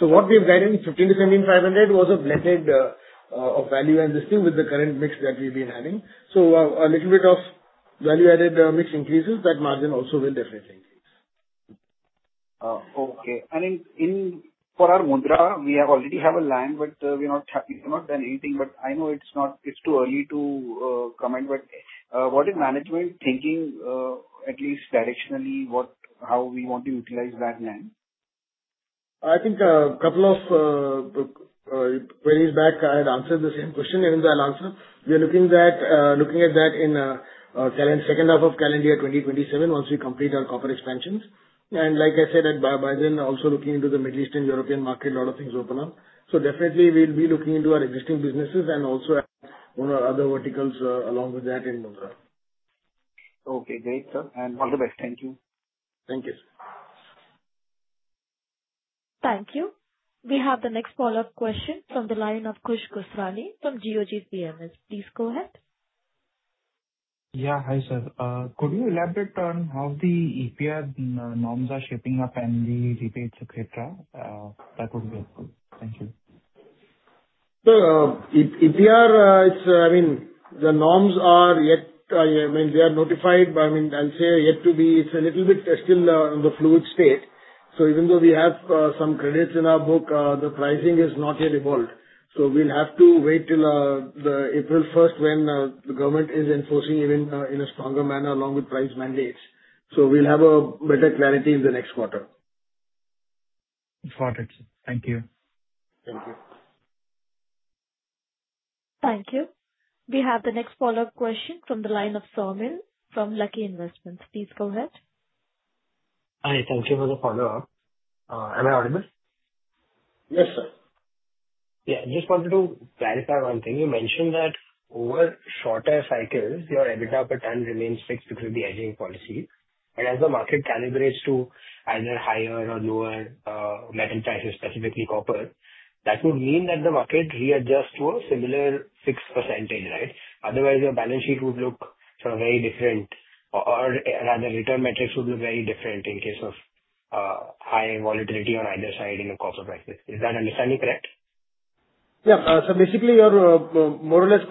S3: What we have guided, 15,000-17,500, was a blended of value and this thing with the current mix that we've been having. A little bit of value-added mix increases, that margin also will definitely increase.
S21: Okay. For our Mundra, we already have a land, but we've not done anything. I know it's too early to comment, but what is management thinking at least directionally, how we want to utilize that land?
S3: I think a couple of queries back, I had answered the same question. I'll answer. We are looking at that in second half of calendar year 2027, once we complete our copper expansions. Like I said, by then, also looking into the Middle Eastern, European market, a lot of things open up. Definitely we'll be looking into our existing businesses and also at one or other verticals along with that in Mundra.
S21: Okay, great, sir. All the best. Thank you.
S3: Thank you.
S1: Thank you. We have the next follow-up question from the line of Khush Gosrani from Geojit PMS. Please go ahead.
S10: Yeah. Hi, sir. Could you elaborate on how the EPR norms are shaping up and the rebates, et cetera? That would be helpful. Thank you.
S3: EPR, the norms are yet to be. I mean, they are notified, but I'll say yet to be, it's a little bit still in the fluid state. Even though we have some credits in our book, the pricing is not yet evolved. We'll have to wait till the April first when the government is enforcing it in a stronger manner along with price mandates. We'll have a better clarity in the next quarter.
S10: Got it. Thank you.
S3: Thank you.
S1: Thank you. We have the next follow-up question from the line of Soumil from Lucky Investments. Please go ahead.
S16: Hi. Thank you for the follow-up. Am I audible?
S3: Yes, sir.
S16: Yeah. Just wanted to clarify one thing. You mentioned that over shorter cycles, your EBITDA per ton remains fixed because of the hedging policy. As the market calibrates to either higher or lower metal prices, specifically copper, that would mean that the market readjusts to a similar fixed %, right? Otherwise, your balance sheet would look very different, or rather, return metrics would look very different in case of high volatility on either side in the copper prices. Is that understanding correct?
S3: Yeah. Basically, you're more or less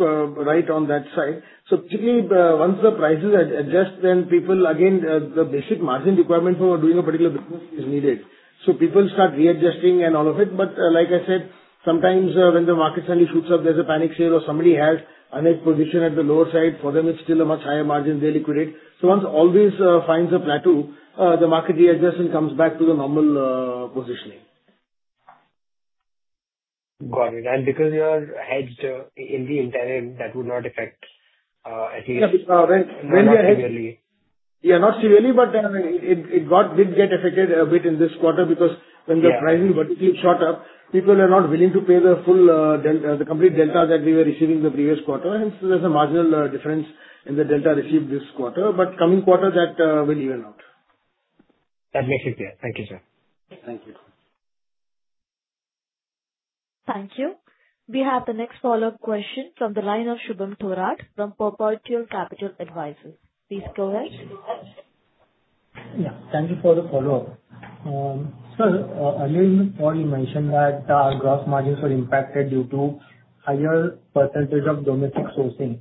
S3: right on that side. Typically, once the prices adjust, then people, again, the basic margin requirement for doing a particular business is needed. People start readjusting and all of it. Like I said, sometimes when the market suddenly shoots up, there's a panic sale or somebody has a hedge position at the lower side. For them, it's still a much higher margin, they liquidate. Once all this finds a plateau, the market readjusts and comes back to the normal positioning.
S16: Got it. Because you are hedged in the interim, that would not affect.
S3: Yeah. Because when they are hedged.
S16: not severely.
S3: Yeah, not severely, but it did get affected a bit in this quarter because when the pricing vertically shot up, people were not willing to pay the complete delta that we were receiving the previous quarter. There's a marginal difference in the delta received this quarter. Coming quarter, that will even out.
S16: That makes it clear. Thank you, sir.
S3: Thank you.
S1: Thank you. We have the next follow-up question from the line of Shubham Thorat from Perpetua Capital Advisors. Please go ahead.
S17: Yeah. Thank you for the follow-up. Sir, earlier in the call, you mentioned that gross margins were impacted due to higher percentage of domestic sourcing.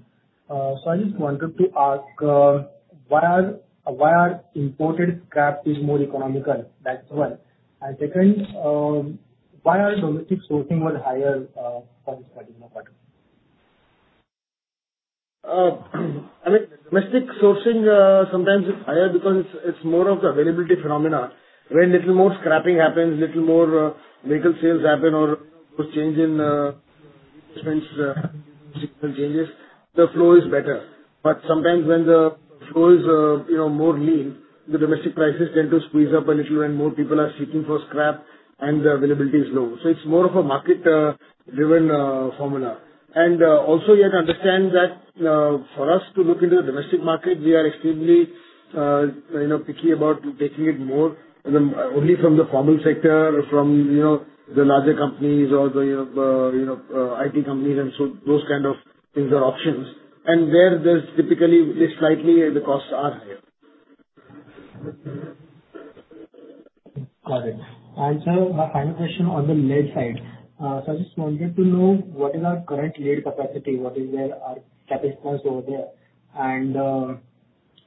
S17: I just wanted to ask, why are imported scrap is more economical? That's one. Second, why are domestic sourcing more higher for this particular quarter?
S3: Domestic sourcing sometimes is higher because it's more of the availability phenomenon. When little more scrapping happens, little more vehicle sales happen, or change in trends changes, the flow is better. Sometimes when the flow is more lean, the domestic prices tend to squeeze up a little and more people are seeking for scrap and the availability is low. It's more of a market-driven formula. Also you have to understand that for us to look into the domestic market, we are extremely picky about taking it more only from the formal sector, from the larger companies or the IT companies, those kind of things are options. There, typically, slightly, the costs are higher.
S17: Got it. Sir, my final question on the lead side. I just wanted to know what is our current lead capacity, what is our capacity over there, and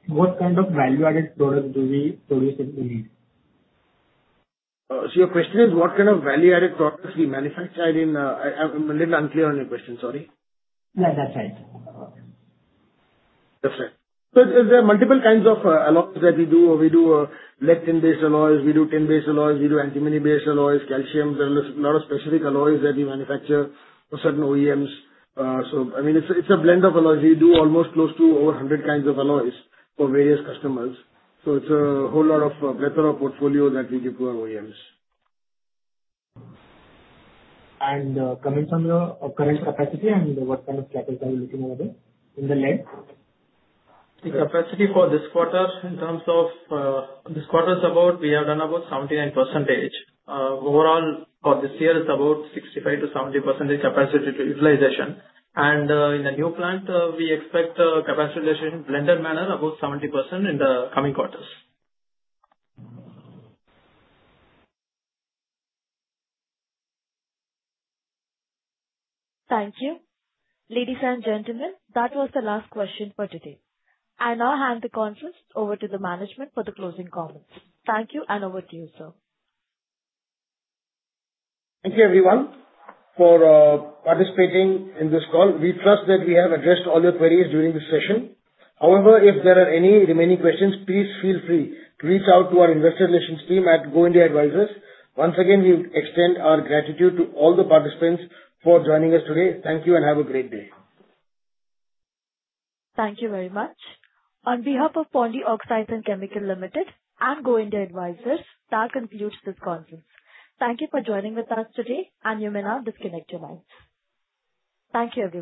S17: what kind of value-added product do we produce in the lead?
S3: Your question is what kind of value-added products we manufacture? I'm a little unclear on your question, sorry.
S17: Yeah, that's right.
S3: That's right. There are multiple kinds of alloys that we do. We do lead tin-based alloys, we do tin-based alloys, we do antimony-based alloys, calcium. Well, there's a lot of specific alloys that we manufacture for certain OEMs. It's a blend of alloys. We do almost close to over 100 kinds of alloys for various customers. It's a whole lot of plethora of portfolio that we give to our OEMs.
S17: Comments on your current capacity and what kind of capacity are you looking over in the lead?
S5: The capacity for this quarter, we have done about 79%. Overall for this year it's about 65%-70% capacity utilization. In the new plant, we expect capacity utilization, blended manner, about 70% in the coming quarters.
S1: Thank you. Ladies and gentlemen, that was the last question for today. I now hand the conference over to the management for the closing comments. Thank you. Over to you, sir.
S3: Thank you everyone for participating in this call. We trust that we have addressed all your queries during this session. However, if there are any remaining questions, please feel free to reach out to our investor relations team at Go India Advisors. Once again, we extend our gratitude to all the participants for joining us today. Thank you and have a great day.
S1: Thank you very much. On behalf of Pondy Oxides and Chemicals Limited and Go India Advisors, that concludes this conference. Thank you for joining with us today, and you may now disconnect your lines. Thank you, everyone.